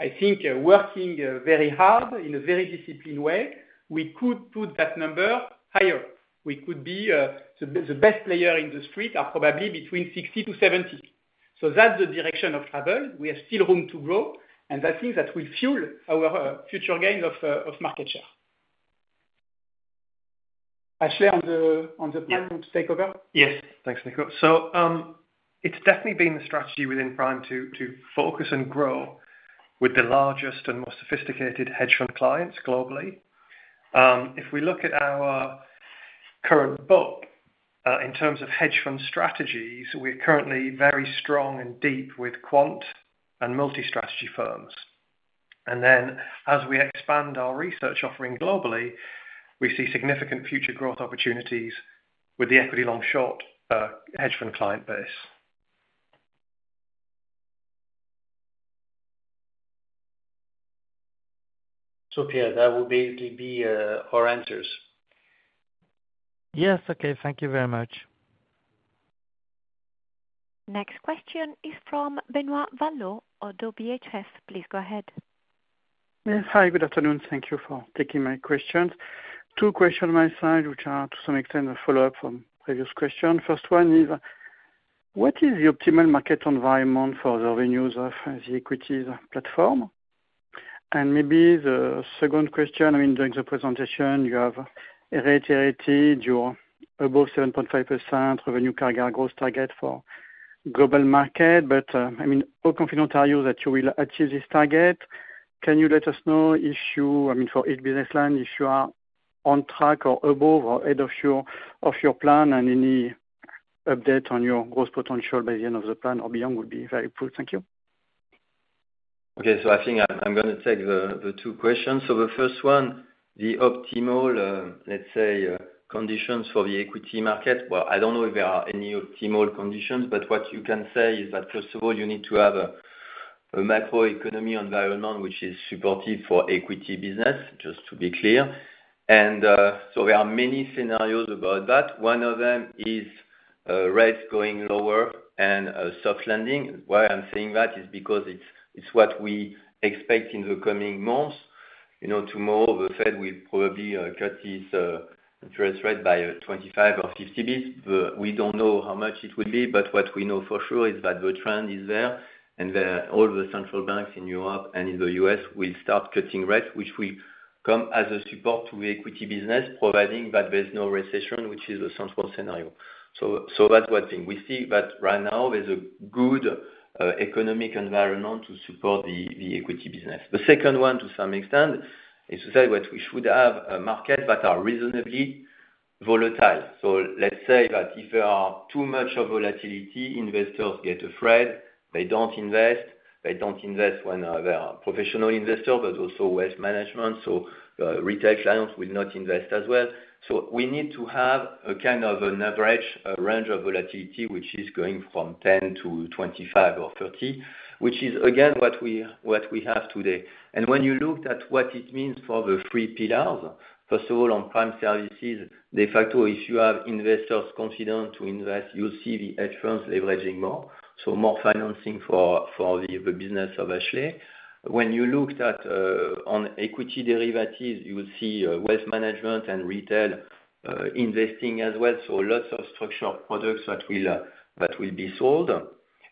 I think working very hard in a very disciplined way, we could put that number higher. We could be the best player in the street, probably between sixty to seventy. So that's the direction of travel. We still have room to grow, and that will fuel our future gain of market share. Ashley, on the Prime takeover? Yes. Thanks, Nico. It's definitely been the strategy within Prime to focus and grow with the largest and most sophisticated hedge fund clients globally. If we look at our current book, in terms of hedge fund strategies, we're currently very strong and deep with quant and multi-strategy firms. Then as we expand our research offering globally, we see significant future growth opportunities with the equity long-short hedge fund client base. Sophia, that would basically be our answers. Yes, okay. Thank you very much. Next question is from Benoit Valleaux of ODDO BHF. Please go ahead. Yes. Hi, good afternoon. Thank you for taking my questions. Two questions my side, which are to some extent a follow-up from previous question. First one is, what is the optimal market environment for the revenues of the equities platform? And maybe the second question, I mean, during the presentation, you have reiterated your above 7.5% on the new CIB ROE target for Global Markets, but, I mean, how confident are you that you will achieve this target? Can you let us know if you- I mean, for each business line, if you are on track or above or ahead of your plan, and any update on your growth potential by the end of the plan or beyond would be very cool. Thank you. Okay, so I think I'm gonna take the two questions, so the first one, the optimal, let's say, conditions for the equity market, well, I don't know if there are any optimal conditions, but what you can say is that first of all, you need to have a macroeconomy environment which is supportive for equity business, just to be clear, and so there are many scenarios about that. One of them is rates going lower and a soft landing. Why I'm saying that is because it's what we expect in the coming months. You know, tomorrow, the Fed will probably cut this interest rate by 25 or 50 basis points. But we don't know how much it will be, but what we know for sure is that the trend is there, and all the central banks in Europe and in the U.S. will start cutting rates, which will come as a support to the equity business, providing that there's no recession, which is a central scenario.... So that's one thing we see, but right now there's a good economic environment to support the equity business. The second one, to some extent, is to say that we should have a market that are reasonably volatile. So let's say that if there are too much of volatility, investors get afraid, they don't invest when they are professional investor, but also wealth management, so retail clients will not invest as well. So we need to have a kind of an average, a range of volatility, which is going from 10 to 25 or 30, which is again what we have today. And when you look at what it means for the three pillars, first of all, on Prime Services, de facto, if you have investors confident to invest, you'll see the hedge funds leveraging more, so more financing for the business of Ashley. When you look at on equity derivatives, you will see wealth management and retail investing as well, so lots of structured products that will be sold.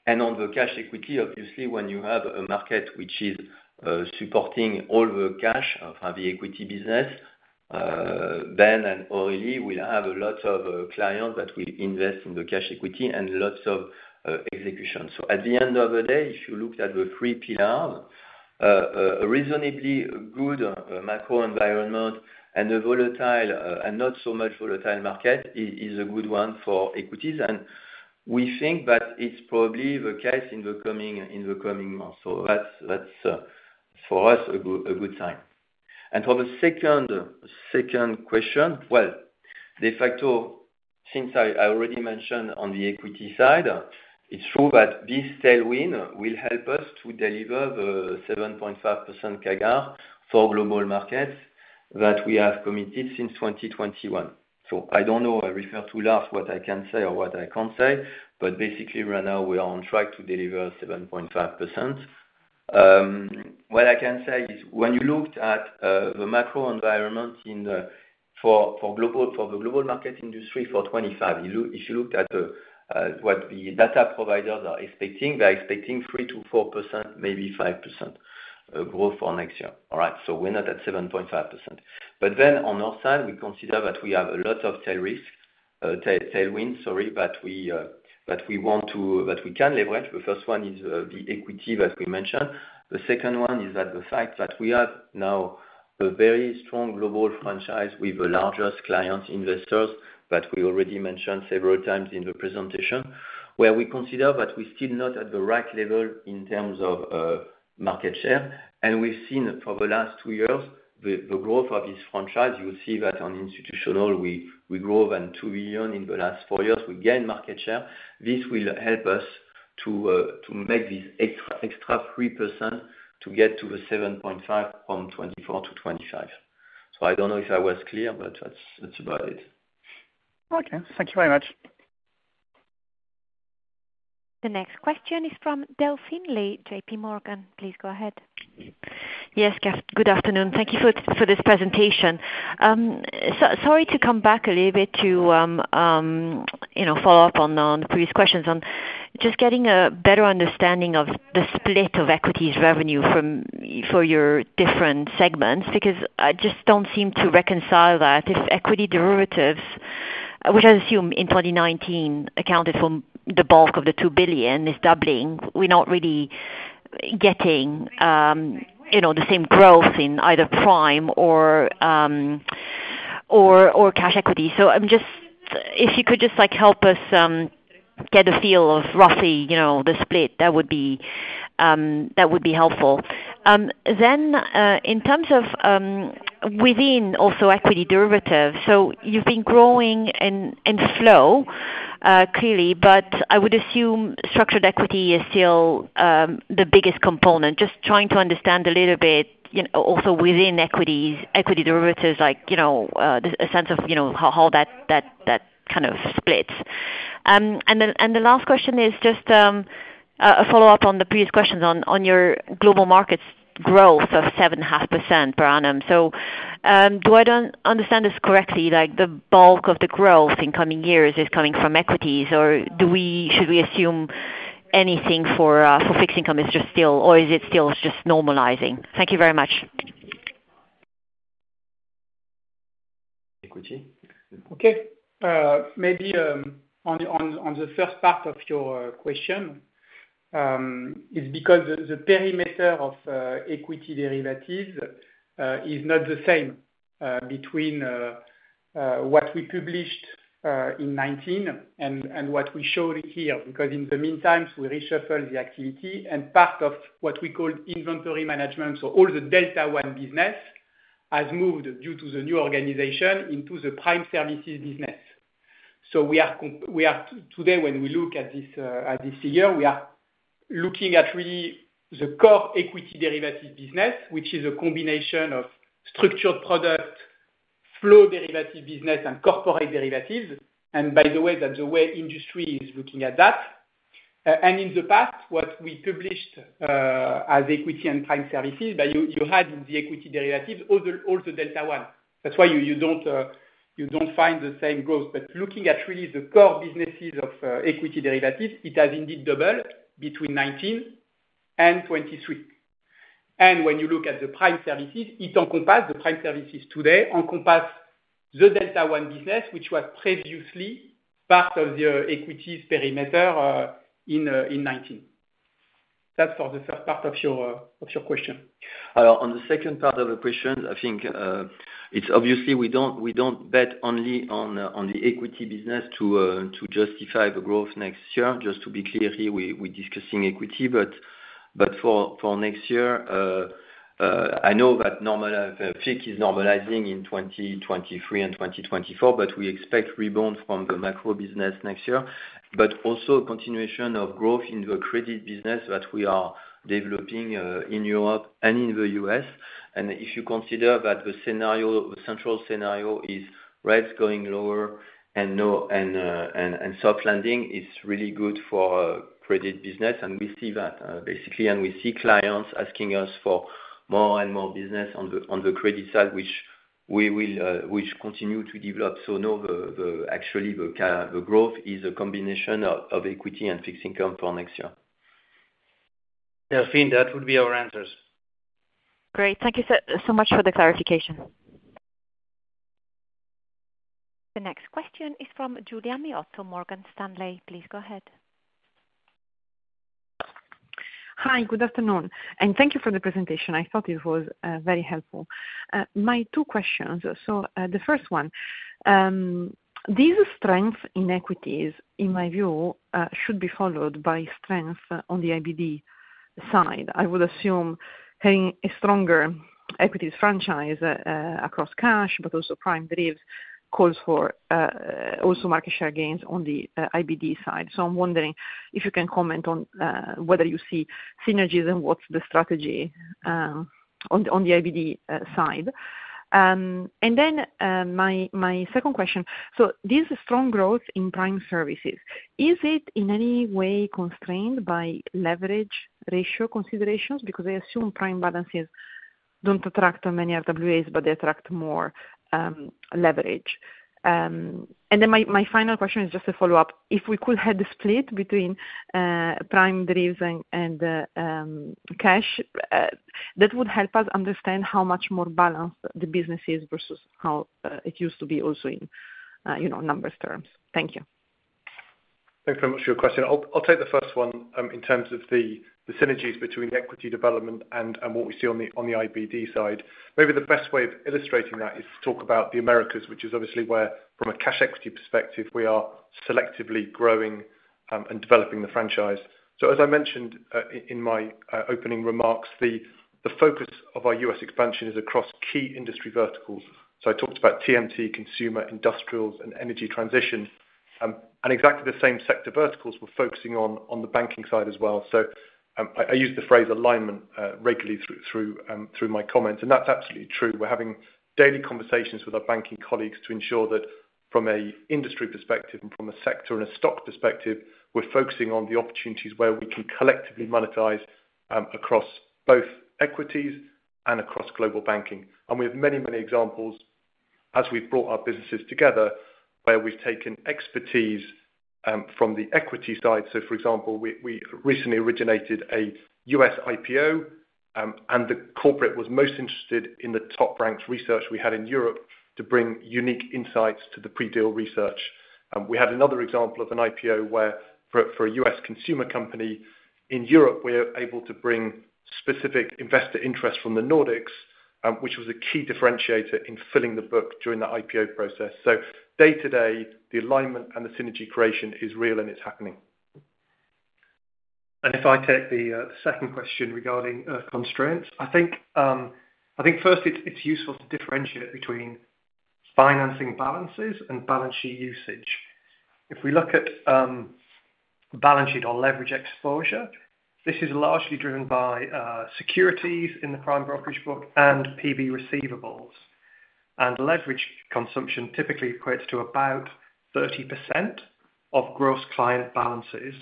And on the cash equity, obviously, when you have a market which is supporting all the cash of the equity business, then and only we have a lot of clients that will invest in the cash equity and lots of execution. So at the end of the day, if you look at the three pillars, a reasonably good macro environment and a volatile and not so much volatile market is a good one for equities. And we think that it's probably the case in the coming months. That's for us a good sign. And for the second question, well, de facto, since I already mentioned on the equity side, it's true that this tailwind will help us to deliver the 7.5% CAGR Global Markets that we have committed since 2021. So I don't know, I refer to Lars what I can say or what I can't say, but basically right now we are on track to deliver 7.5%. What I can say is when you looked at the macro environment for the Global Markets industry for 2025, if you looked at what the data providers are expecting, they're expecting 3%-4%, maybe 5%, growth for next year. All right, so we're not at 7.5%. But then on our side, we consider that we have a lot of tailwinds that we can leverage. The first one is the equity, as we mentioned. The second one is that the fact that we have now a very strong global franchise with the largest clients, investors, that we already mentioned several times in the presentation, where we consider that we're still not at the right level in terms of market share, and we've seen for the last two years the growth of this franchise. You will see that on institutional, we grew more than €2 billion in the last four years, we gain market share. This will help us to make this extra 3% to get to the 7.5% from 2024 to 2025, so I don't know if I was clear, but that's about it. Okay, thank you very much. The next question is from Delphine Lee, J.P. Morgan. Please go ahead. Yes, good afternoon. Thank you for this presentation. Sorry to come back a little bit to, you know, follow up on the previous questions. On just getting a better understanding of the split of equities revenue from, for your different segments, because I just don't seem to reconcile that. If equity derivatives, which I assume in 2019 accounted for the bulk of the €2 billion, is doubling, we're not really getting, you know, the same growth in either prime or, or cash equity. So if you could just, like, help us get a feel of roughly, you know, the split, that would be, that would be helpful. Then, in terms of, also within equity derivatives, so you've been growing in flow clearly, but I would assume structured equity is still the biggest component. Just trying to understand a little bit, also within equities, equity derivatives, like, you know, a sense of, you know, how that kind of splits. And then, the last question is just a follow-up on the previous questions on your Global Markets growth of 7.5% per annum. So, do I understand this correctly, like the bulk of the growth in coming years is coming from equities, or should we assume anything for fixed income, is it just still, or is it still just normalizing? Thank you very much. Equity? Okay, maybe on the first part of your question, is because the perimeter of equity derivatives is not the same between what we published in 2019 and what we showed here. Because in the meantime, we reshuffled the activity and part of what we call inventory management, so all the Delta One business has moved due to the new organization into the Prime Services business. So we are today, when we look at this figure, we are looking at really the core equity derivatives business, which is a combination of structured products, flow derivative business, and corporate derivatives. And by the way, that's the way industry is looking at that. And in the past, what we published Equity and Prime Services, but you had the equity derivatives, all the Delta One. That's why you don't find the same growth. But looking at really the core businesses of equity derivatives, it has indeed doubled between nineteen-... and 2023. When you look at the Prime Services, it encompass the Prime Services today, encompass the Delta One business, which was previously part of the equity perimeter in 2019. That's for the first part of your question. On the second part of the question, I think, it's obviously we don't, we don't bet only on, on the equity business to, to justify the growth next year. Just to be clear here, we, we're discussing equity, but, but for, for next year, I know that normally FICC is normalizing in 2023 and 2024, but we expect rebound from the macro business next year, but also continuation of growth in the credit business that we are developing, in Europe and in the US, and if you consider that the scenario, the central scenario, is rates going lower and no- and soft landing is really good for credit business, and we see that, basically. We see clients asking us for more and more business on the credit side, which we will continue to develop. So no, actually, the growth is a combination of equity and fixed income for next year. Delphine, that would be our answers. Great. Thank you so, so much for the clarification. The next question is from Giulia Miotto, Morgan Stanley. Please go ahead. Hi, good afternoon, and thank you for the presentation. I thought it was very helpful. My two questions: so, the first one, this strength in equities, in my view, should be followed by strength on the IBD side. I would assume having a stronger equities franchise, across cash, but also Prime derivatives, calls for, also market share gains on the, IBD side. So I'm wondering if you can comment on, whether you see synergies and what's the strategy, on, on the IBD, side? And then, my, my second question: so this strong growth in Prime Services, is it in any way constrained by leverage ratio considerations? Because I assume Prime balances don't attract many RWAs, but they attract more, leverage. And then my, my final question is just a follow-up. If we could have the split between Prime derivatives and cash, that would help us understand how much more balanced the business is versus how it used to be also in you know numbers terms. Thank you. Thanks very much for your question. I'll take the first one, in terms of the synergies between equity derivatives and what we see on the IBD side. Maybe the best way of illustrating that is to talk about the Americas, which is obviously where, from a cash equity perspective, we are selectively growing and developing the franchise. So as I mentioned, in my opening remarks, the focus of our U.S. expansion is across key industry verticals. So I talked about TMT, consumer, industrials, and energy transition, and exactly the same sector verticals we're focusing on on the banking side as well. So, I use the phrase alignment regularly through my comments, and that's absolutely true. We're having daily conversations with our banking colleagues to ensure that from an industry perspective and from a sector and a stock perspective, we're focusing on the opportunities where we can collectively monetize across both equities and across global banking. We have many, many examples as we've brought our businesses together, where we've taken expertise from the equity side. So, for example, we recently originated a U.S. IPO, and the corporate was most interested in the top ranked research we had in Europe to bring unique insights to the pre-deal research. We had another example of an IPO where for a U.S. consumer company in Europe, we are able to bring specific investor interest from the Nordics, which was a key differentiator in filling the book during the IPO process. Day to day, the alignment and the synergy creation is real, and it's happening. And if I take the second question regarding constraints, I think first it's useful to differentiate between financing balances and balance sheet usage. If we look at balance sheet on leverage exposure, this is largely driven by securities in the prime brokerage book and PB receivables. And leverage consumption typically equates to about 30% of gross client balances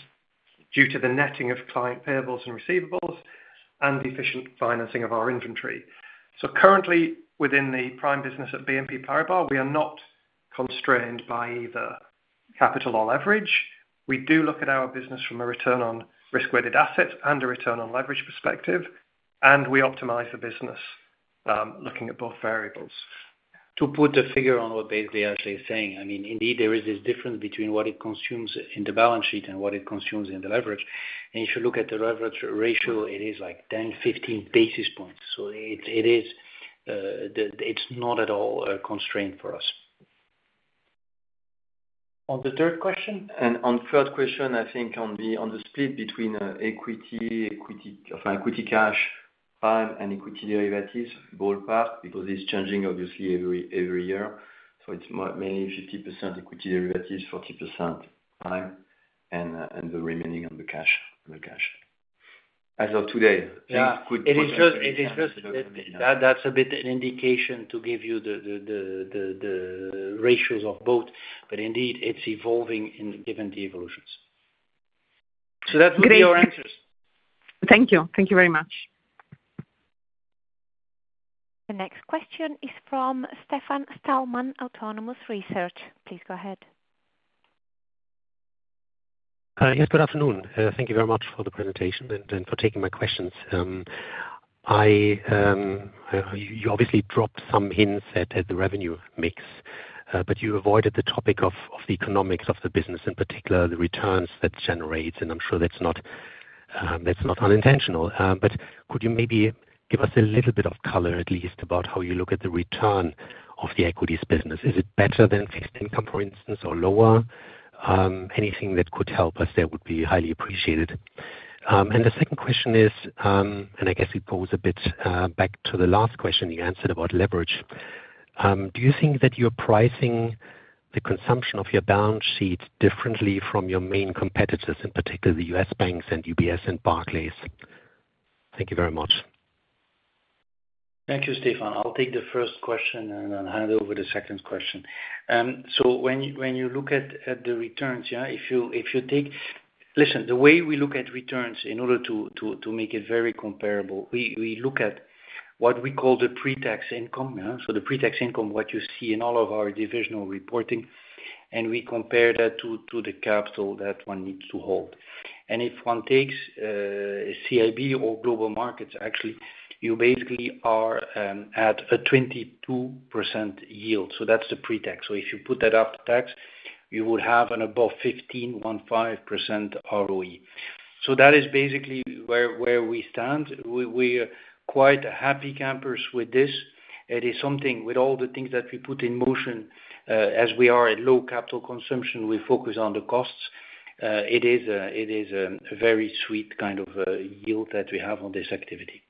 due to the netting of client payables and receivables and the efficient financing of our inventory. So currently, within the Prime business at BNP Paribas, we are not constrained by either capital or leverage. We do look at our business from a return on risk-weighted assets and a return on leverage perspective, and we optimize the business, looking at both variables. To put the figure on what they are actually saying, I mean, indeed, there is this difference between what it consumes in the balance sheet and what it consumes in the leverage. And if you look at the leverage ratio, it is like 10, 15 basis points. So it is. It's not at all a constraint for us. On the third question? And on the third question, I think on the split between equity cash, prime, and equity derivatives, ballpark, because it's changing obviously every year. So it's mainly 50% equity derivatives, 40% prime, and the remaining on the cash. As of today- Yeah, it is just that, that's a bit an indication to give you the ratios of both, but indeed, it's evolving in given the evolutions. So that would be our answers. Thank you. Thank you very much. The next question is from Stefan Stalmann, Autonomous Research. Please go ahead. Yes, good afternoon. Thank you very much for the presentation and for taking my questions. You obviously dropped some hints at the revenue mix, but you avoided the topic of the economics of the business, in particular, the returns that generates, and I'm sure that's not, that's not unintentional, but could you maybe give us a little bit of color, at least, about how you look at the return of the equities business? Is it better than fixed income, for instance, or lower? Anything that could help us there would be highly appreciated, and the second question is, and I guess it goes a bit back to the last question you answered about leverage. Do you think that you're pricing the consumption of your balance sheet differently from your main competitors, in particular the U.S. banks and UBS and Barclays? Thank you very much. Thank you, Stefan. I'll take the first question, and then I'll hand over the second question. So when you look at the returns, yeah, if you take... Listen, the way we look at returns, in order to make it very comparable, we look at what we call the pre-tax income, yeah? So the pre-tax income, what you see in all of our divisional reporting, and we compare that to the capital that one needs to hold. And if one takes CIB or Global Markets, actually, you basically are at a 22% yield, so that's the pre-tax. So if you put that after tax, you would have an above 15.5% ROE. So that is basically where we stand. We are quite happy campers with this. It is something with all the things that we put in motion, as we are at low capital consumption, we focus on the costs. It is a very sweet kind of yield that we have on this activity.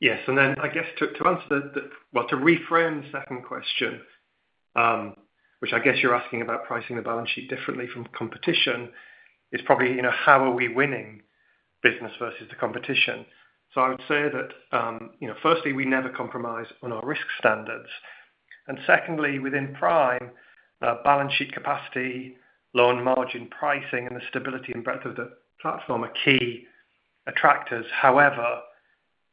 Yes, and then I guess to answer the... Well, to reframe the second question, which I guess you're asking about pricing the balance sheet differently from competition, is probably, you know, how are we winning business versus the competition. I would say that, you know, firstly, we never compromise on our risk standards, and secondly, within Prime, balance sheet capacity, loan margin pricing, and the stability and breadth of the platform are key attractors. However,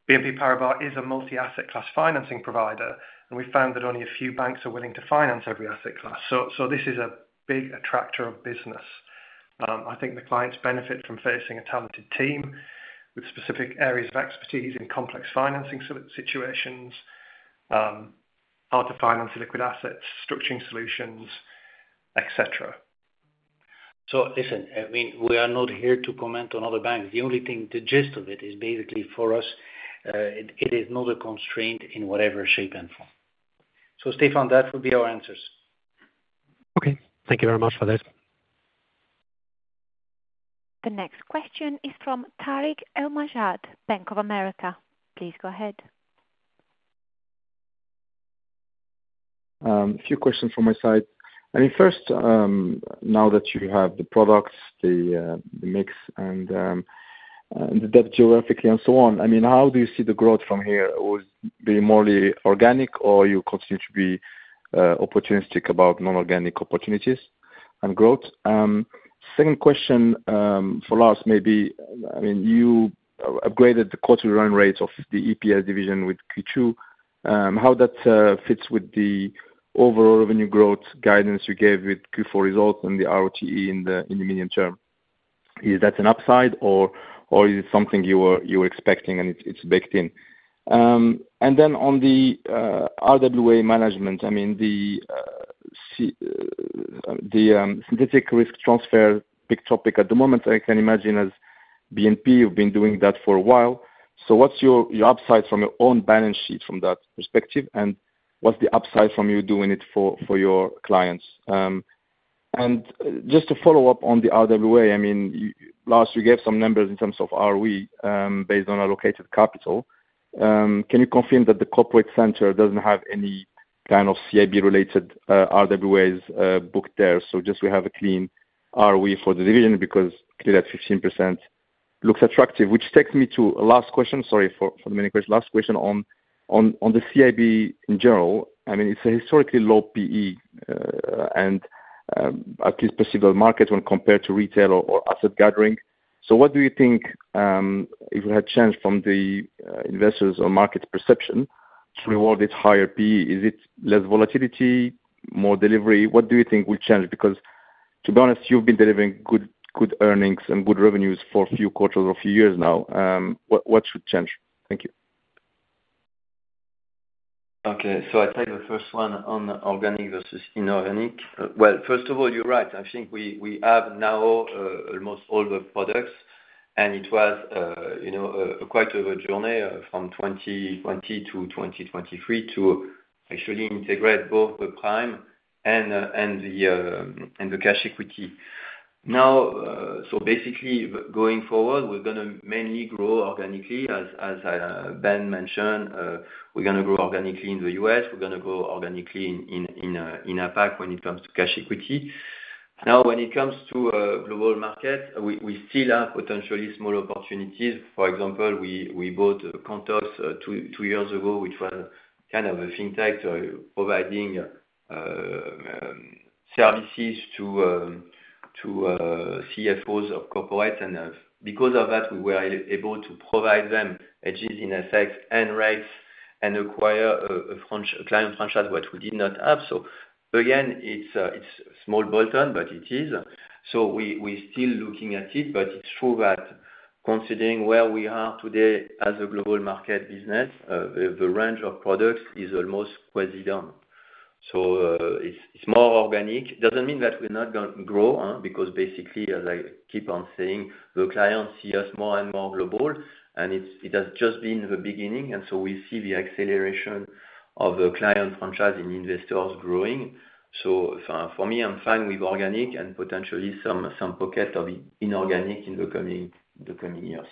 BNP Paribas is a multi-asset class financing provider, and we found that only a few banks are willing to finance every asset class. This is a big attractor of business. I think the clients benefit from facing a talented team with specific areas of expertise in complex financing situations, hard-to-finance liquid assets, structuring solutions, et cetera. So listen, I mean, we are not here to comment on other banks. The only thing, the gist of it is basically for us, it is not a constraint in whatever shape and form. So Stefan, that would be our answers. Okay, thank you very much for this. The next question is from Tarik El Mejjad, Bank of America. Please go ahead. A few questions from my side. I mean, first, now that you have the products, the, the mix, and, and the depth geographically and so on, I mean, how do you see the growth from here? Will it be more organic or you continue to be, opportunistic about non-organic opportunities and growth? Second question, for last maybe, I mean, you upgraded the quarterly run rate of the EPS division with Q2. How that fits with the overall revenue growth guidance you gave with Q4 results and the ROTE in the, in the medium term? Is that an upside or, or is it something you were expecting and it's baked in? And then on the RWA management, I mean, the synthetic risk transfer big topic at the moment, I can imagine as BNP, you've been doing that for a while. So what's your upside from your own balance sheet from that perspective, and what's the upside from you doing it for your clients? And just to follow up on the RWA, I mean, last you gave some numbers in terms of ROE based on allocated capital. Can you confirm that the corporate center doesn't have any kind of CIB-related RWAs booked there? So just we have a clean ROE for the division, because clearly that 15% looks attractive. Which takes me to a last question, sorry for the many questions. Last question on the CIB in general, I mean, it's a historically low PE, and at least possible market when compared to retail or asset gathering. So what do you think, if we had changed from the investors or market perception to reward it higher PE, is it less volatility, more delivery? What do you think will change? Because, to be honest, you've been delivering good earnings and good revenues for a few quarters or a few years now. What should change? Thank you. Okay, so I take the first one on organic versus inorganic. First of all, you're right. I think we have now almost all the products, and it was, you know, quite a journey from 2020 to 2023 to actually integrate both the Prime and the cash equity. Now, basically, going forward, we're gonna mainly grow organically as Ben mentioned, we're gonna grow organically in the U.S. We're gonna grow organically in APAC when it comes to cash equity. Now, when it comes to Global Markets, we still have potentially small opportunities. For example, we bought Kantox two years ago, which was kind of a fintech, so providing... services to CFOs of corporates, and because of that, we were able to provide them hedges in effect and rights, and acquire a client franchise we did not have. So again, it's small bolt-on, but it is. So we still looking at it, but it's true that considering where we are today as a Global Markets business, the range of products is almost quasi done. So it's more organic. Doesn't mean that we're not gonna grow, huh? Because basically, as I keep on saying, the clients see us more and more global, and it has just been the beginning, and so we see the acceleration of the client franchise and investors growing. So for me, I'm fine with organic and potentially some pocket of inorganic in the coming years.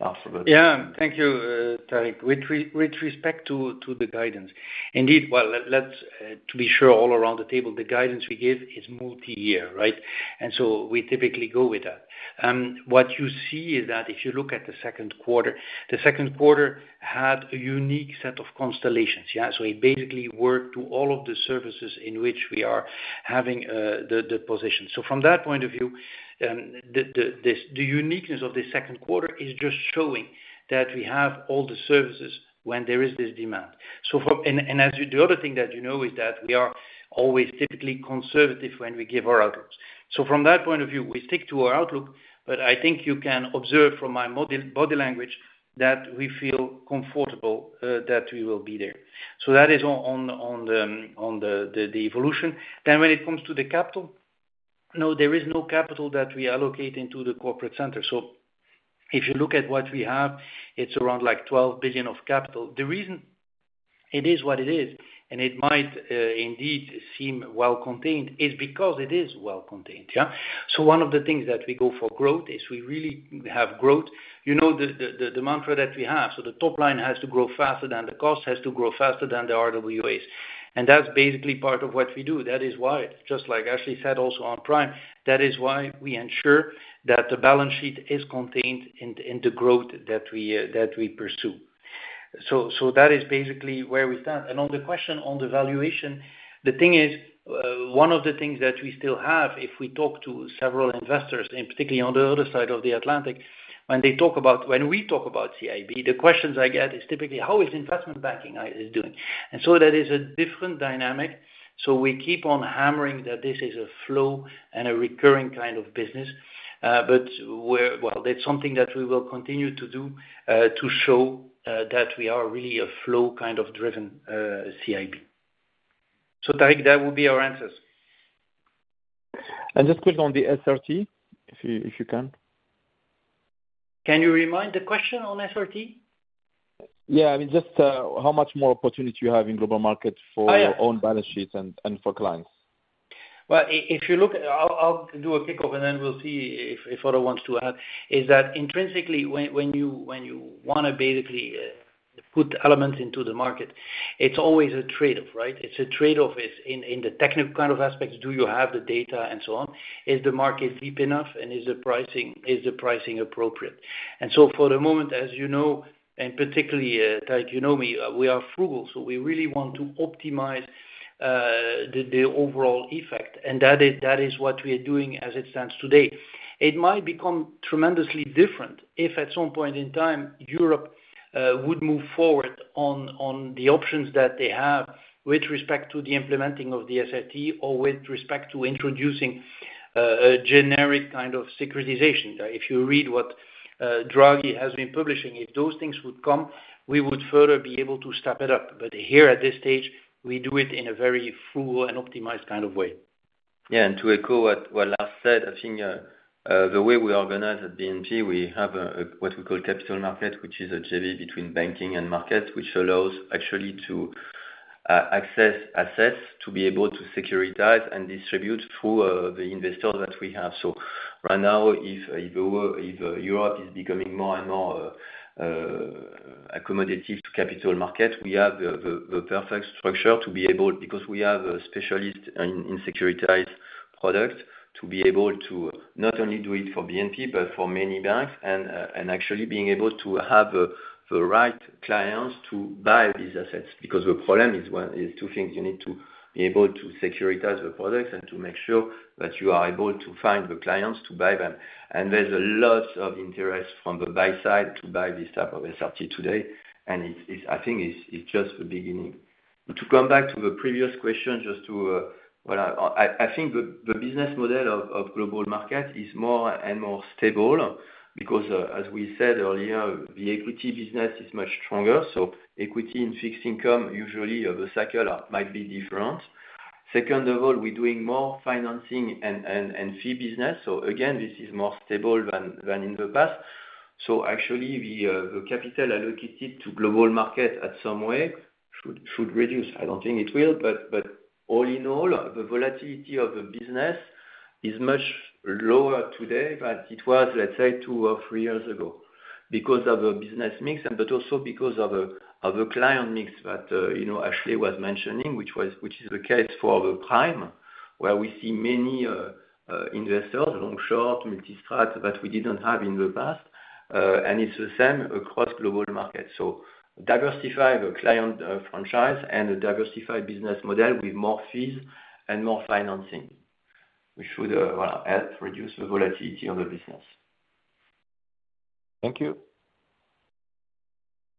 Lars? Yeah. Thank you, Tarik. With respect to the guidance, indeed, well, let's to be sure, all around the table, the guidance we give is multi-year, right? And so we typically go with that. What you see is that if you look at the second quarter, the second quarter had a unique set of constellations, yeah? So it basically worked to all of the services in which we are having the position. So from that point of view, the uniqueness of the second quarter is just showing that we have all the services when there is this demand. And the other thing that you know is that we are always typically conservative when we give our outlooks. So from that point of view, we stick to our outlook, but I think you can observe from my body language that we feel comfortable that we will be there. So that is on the evolution. Then when it comes to the capital, no, there is no capital that we allocate into the corporate center. So if you look at what we have, it's around like 12 billion of capital. The reason it is what it is, and it might indeed seem well contained, is because it is well contained, yeah? So one of the things that we go for growth, is we really have growth. You know, the mantra that we have, so the top line has to grow faster than the cost, has to grow faster than the RWAs. And that's basically part of what we do. That is why, just like Ashley said, also on Prime, that is why we ensure that the balance sheet is contained in the growth that we pursue. So that is basically where we stand. On the question on the valuation, the thing is, one of the things that we still have, if we talk to several investors, and particularly on the other side of the Atlantic, when we talk about CIB, the questions I get is typically: How is investment banking doing? And so that is a different dynamic. So we keep on hammering that this is a flow and a recurring kind of business. But well, that's something that we will continue to do, to show that we are really a flow kind of driven CIB. So Tarik, that would be our answers. And just quick on the SRT, if you can. Can you remind the question on SRT? Yeah. I mean, just how much more opportunity you have in Global Markets for- Oh, yeah... own balance sheets and for clients? If you look, I'll do a kickoff, and then we'll see if Osty wants to add. Is that intrinsically, when you wanna basically put elements into the market, it's always a trade-off, right? It's a trade-off in the technical kind of aspects, do you have the data and so on? Is the market deep enough, and is the pricing appropriate? And so for the moment, as you know, and particularly, Tarik, you know me, we are frugal, so we really want to optimize the overall effect. And that is what we are doing as it stands today. It might become tremendously different if, at some point in time, Europe would move forward on the options that they have with respect to the implementing of the SRT or with respect to introducing a generic kind of securitization. If you read what Draghi has been publishing, if those things would come, we would further be able to step it up. But here, at this stage, we do it in a very frugal and optimized kind of way. Yeah, and to echo what Lars said, I think the way we organize at BNP, we have a what we call capital market, which is a JV between banking and market, which allows actually to access assets, to be able to securitize and distribute through the investors that we have. So right now, if Europe is becoming more and more accommodative to capital market, we have the perfect structure to be able because we have a specialist in securitized products, to be able to not only do it for BNP, but for many banks, and actually being able to have the right clients to buy these assets. Because the problem is two things: you need to be able to securitize the products and to make sure that you are able to find the clients to buy them. And there's a lot of interest from the buy side to buy this type of SRT today, and it's, I think it's just the beginning. To come back to the previous question, just to well, I think the business model of Global Markets is more and more stable because, as we said earlier, the equity business is much stronger. So equity and fixed income, usually of the cycle, might be different. Second of all, we're doing more financing and fee business, so again, this is more stable than in the past. So actually, the capital allocated to Global Markets in some way should reduce. I don't think it will, but all in all, the volatility of the business is much lower today than it was, let's say, two or three years ago. Because of the business mix, but also because of the client mix that you know, Ashley was mentioning, which is the case for the prime, where we see many investors, long, short, multi-strat, that we didn't have in the past, and it's the same across Global Markets. Diversified client franchise and a diversified business model with more fees and more financing, which should well help reduce the volatility of the business. Thank you.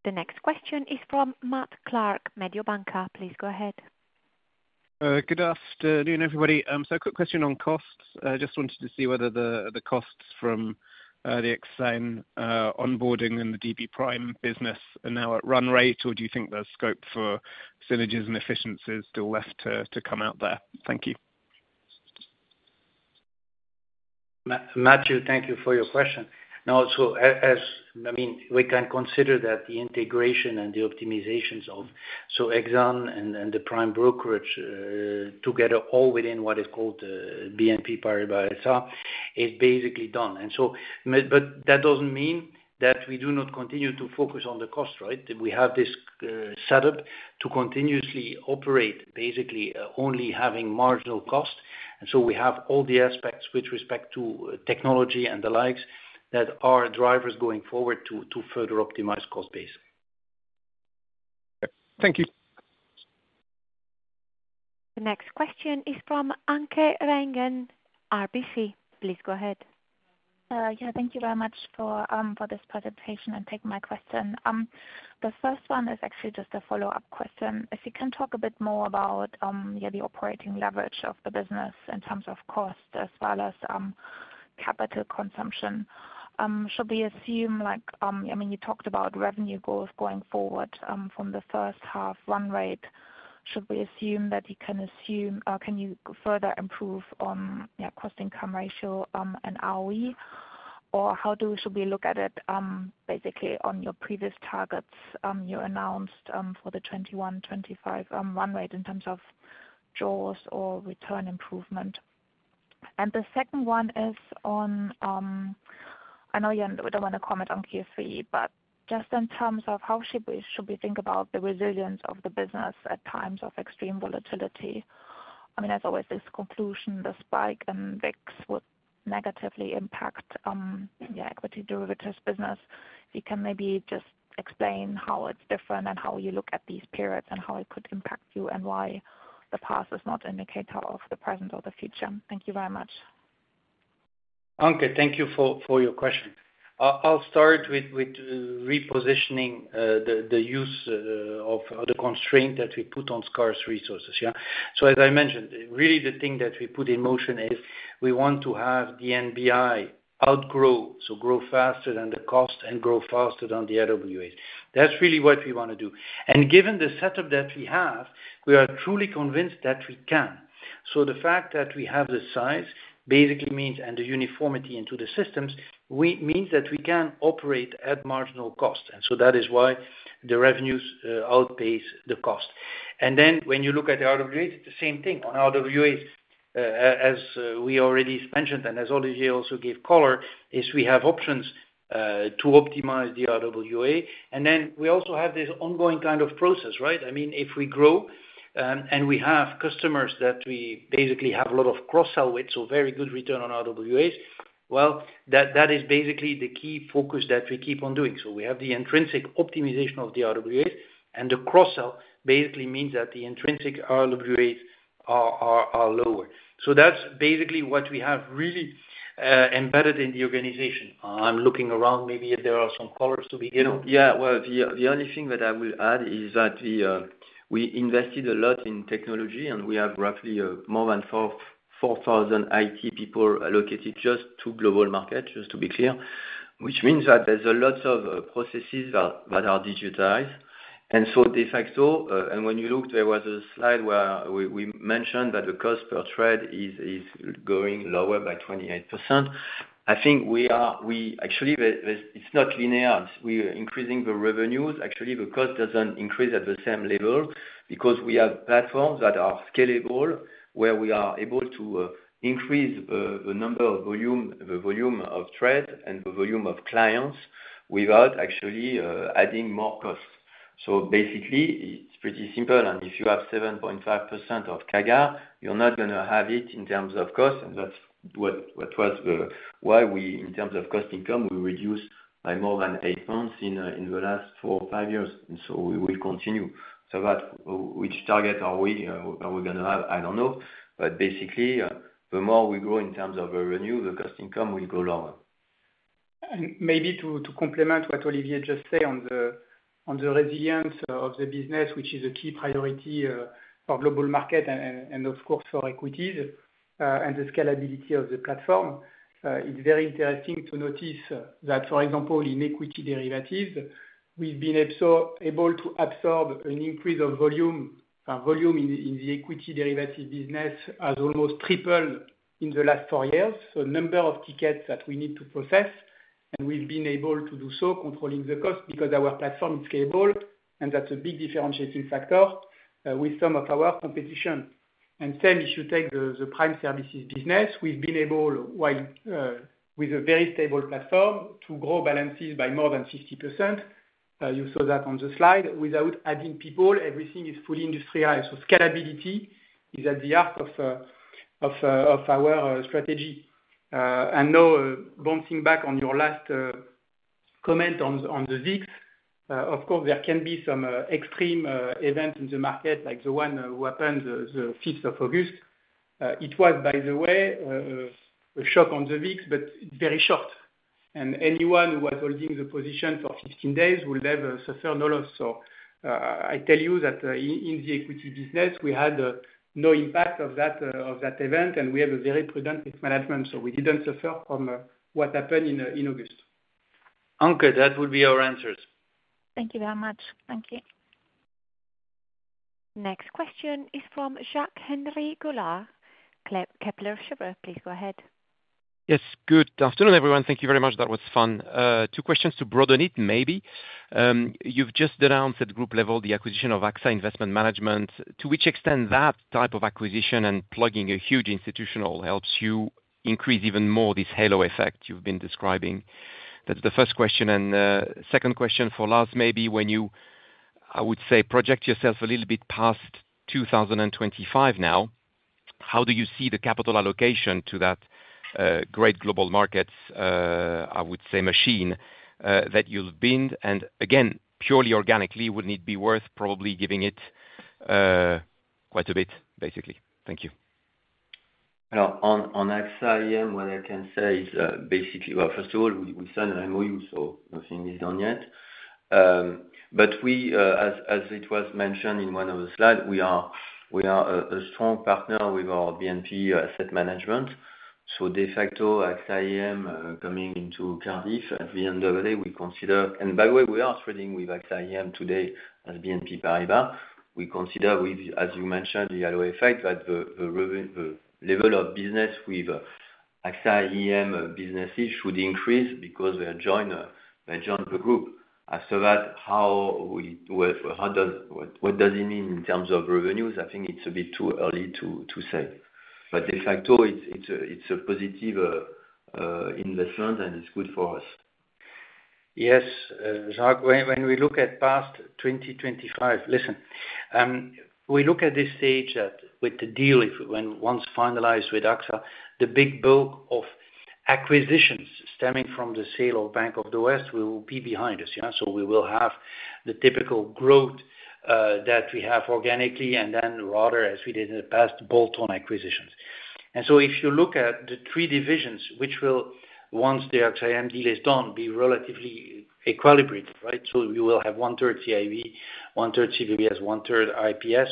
The next question is from Matt Clark, Mediobanca, please go ahead. Good afternoon, everybody. A quick question on costs. I just wanted to see whether the costs from the Exane onboarding and the DB Prime business are now at run rate, or do you think there's scope for synergies and efficiencies still left to come out there? Thank you. Matthew, thank you for your question. Now, as, I mean, we can consider that the integration and the optimizations of, so Exane and the Prime Brokerage, together all within what is called BNP Paribas, is basically done. And so, but that doesn't mean that we do not continue to focus on the cost, right? We have this setup to continuously operate, basically only having marginal cost. And so we have all the aspects with respect to technology and the likes, that are drivers going forward to further optimize cost base. Thank you. The next question is from Anke Reingen, RBC, please go ahead. Yeah, thank you very much for this presentation, and thank you for my question. The first one is actually just a follow-up question. If you can talk a bit more about the operating leverage of the business in terms of cost, as well as capital consumption. Should we assume like, I mean, you talked about revenue growth going forward from the first half run rate. Should we assume that you can or can you further improve on cost-income ratio and ROE? Or should we look at it basically on your previous targets you announced for the 2021-2025 run rate, in terms of ROE or return improvement? And the second one is on. I know you, we don't wanna comment on Q3, but just in terms of how should we, should we think about the resilience of the business at times of extreme volatility? I mean, as always, this conclusion, the spike in VIX would negatively impact the equity derivatives business. You can maybe just explain how it's different and how you look at these periods, and how it could impact you, and why the past is not indicator of the present or the future. Thank you very much. Anke, thank you for your question. I'll start with repositioning the use of the constraint that we put on scarce resources, yeah? So as I mentioned, really the thing that we put in motion is we want to have the NBI outgrow, so grow faster than the cost and grow faster than the RWA. That's really what we wanna do. And given the setup that we have, we are truly convinced that we can. So the fact that we have the size basically means, and the uniformity into the systems, means that we can operate at marginal cost, and so that is why the revenues outpace the cost. And then when you look at the RWA, the same thing on RWAs. As we already mentioned, and as Olivier also gave color, we have options to optimize the RWA, and then we also have this ongoing kind of process, right? I mean, if we grow, and we have customers that we basically have a lot of cross-sell with, so very good return on RWAs, well, that is basically the key focus that we keep on doing, so we have the intrinsic optimization of the RWAs, and the cross-sell basically means that the intrinsic RWAs are lower, so that's basically what we have really embedded in the organization. I'm looking around, maybe if there are some colors to begin on. Yeah, well, the only thing that I will add is that we invested a lot in technology, and we have roughly more than 4,000 IT people allocated just to Global Markets, just to be clear. Which means that there's a lot of processes that are digitized. And so de facto, and when you look, there was a slide where we mentioned that the cost per trade is going lower by 28%. I think we actually, it's not linear, we are increasing the revenues, actually, the cost doesn't increase at the same level, because we have platforms that are scalable, where we are able to increase the number of volume, the volume of trade and the volume of clients, without actually adding more costs. So basically, it's pretty simple, and if you have 7.5% CAGR, you're not gonna have it in terms of cost, and that's why we, in terms of cost income, we reduced by more than eight points in the last four or five years, and so we will continue. So that, which target are we gonna have? I don't know. But basically, the more we grow in terms of the revenue, the cost income will go lower. Maybe to complement what Olivier just say on the resilience of the business, which is a key priority for Global Markets and, of course, for equities, and the scalability of the platform. It's very interesting to notice that, for example, in equity derivatives, we've been able to absorb an increase of volume. Volume in the equity derivative business has almost tripled in the last four years. So number of tickets that we need to process, and we've been able to do so, controlling the cost, because our platform is scalable, and that's a big differentiating factor with some of our competition. And same, if you take the Prime Services business, we've been able, while with a very stable platform, to grow balances by more than 50%, you saw that on the slide, without adding people, everything is fully industrialized. So scalability is at the heart of,... of our strategy. And now bouncing back on your last comment on the VIX. Of course, there can be some extreme event in the market, like the one what happened the fifth of August. It was by the way a shock on the VIX, but very short, and anyone who was holding the position for 15 days will never suffer a loss. So, I tell you that in the equity business, we had no impact of that event, and we have a very prudent risk management, so we didn't suffer from what happened in August. Anke, that would be our answers. Thank you very much. Thank you. Next question is from Jacques-Henri Gaulard, Kepler Cheuvreux, please go ahead. Yes, good afternoon, everyone. Thank you very much. That was fun. Two questions to broaden it, maybe. You've just announced at group level the acquisition of AXA Investment Managers, to which extent that type of acquisition and plugging a huge institutional helps you increase even more this halo effect you've been describing? That's the first question, and, second question for Lars, maybe when you, I would say, project yourself a little bit past two thousand and twenty-five now, how do you see the capital allocation to that, Global Markets, I would say machine, that you've been? And again, purely organically, would it be worth probably giving it, quite a bit, basically? Thank you. On AXA, what I can say is, basically. Well, first of all, we signed an MOU, so nothing is done yet. But we, as it was mentioned in one of the slides, we are a strong partner with our BNP asset management. So de facto, AXA IM coming into Cardif, at the end of the day, we consider. And by the way, we are trading with AXA IM today as BNP Paribas. We consider, as you mentioned, the halo effect, that the level of business with AXA IM businesses should increase because they join the group. After that, what does it mean in terms of revenues? I think it's a bit too early to say. But de facto, it's a positive investment, and it's good for us. Yes, Jacques, when we look past twenty twenty-five, we look at this stage with the deal, if when once finalized with AXA, the big bulk of acquisitions stemming from the sale of Bank of the West will be behind us, yeah? So we will have the typical growth that we have organically, and then rather, as we did in the past, bolt-on acquisitions. If you look at the three divisions, which will, once the AXA IM deal is done, be relatively equilibrated, right? So we will have one-third CIB, one-third CPBS, one-third IPS.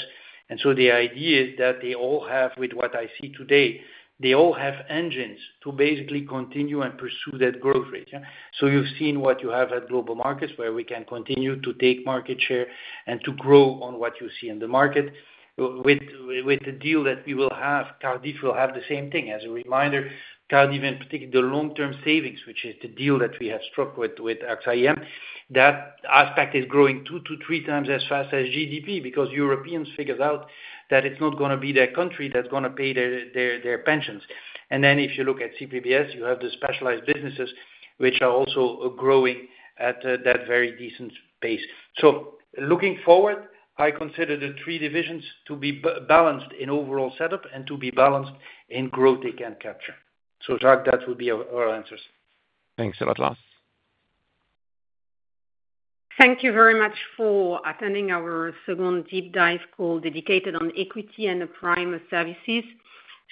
The idea is that they all have, with what I see today, they all have engines to basically continue and pursue that growth rate, yeah. So you've seen what you have Global Markets, where we can continue to take market share and to grow on what you see in the market. With the deal that we will have, Cardif will have the same thing. As a reminder, Cardif, in particular, the long-term savings, which is the deal that we have struck with AXA IM, that aspect is growing two to three times as fast as GDP because Europeans figured out that it's not gonna be their country that's gonna pay their pensions. And then if you look at CPBS, you have the specialized businesses, which are also growing at that very decent pace. So looking forward, I consider the three divisions to be balanced in overall setup and to be balanced in growth they can capture. So, Jacques, that would be our answers. Thanks a lot, Lars. Thank you very much for attending our second deep dive call dedicated on equity and the Prime Services.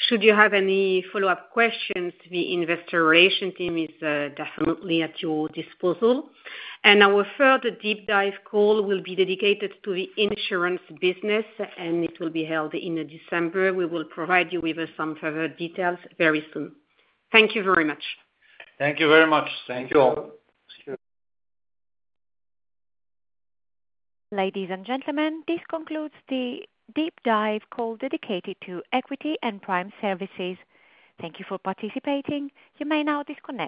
Should you have any follow-up questions, the Investor Relations team is definitely at your disposal. Our further deep dive call will be dedicated to the insurance business, and it will be held in December. We will provide you with some further details very soon. Thank you very much. Thank you very much. Thank you all. Ladies and gentlemen, this concludes the deep dive call dedicated Equity and Prime Services. Thank you for participating. You may now disconnect.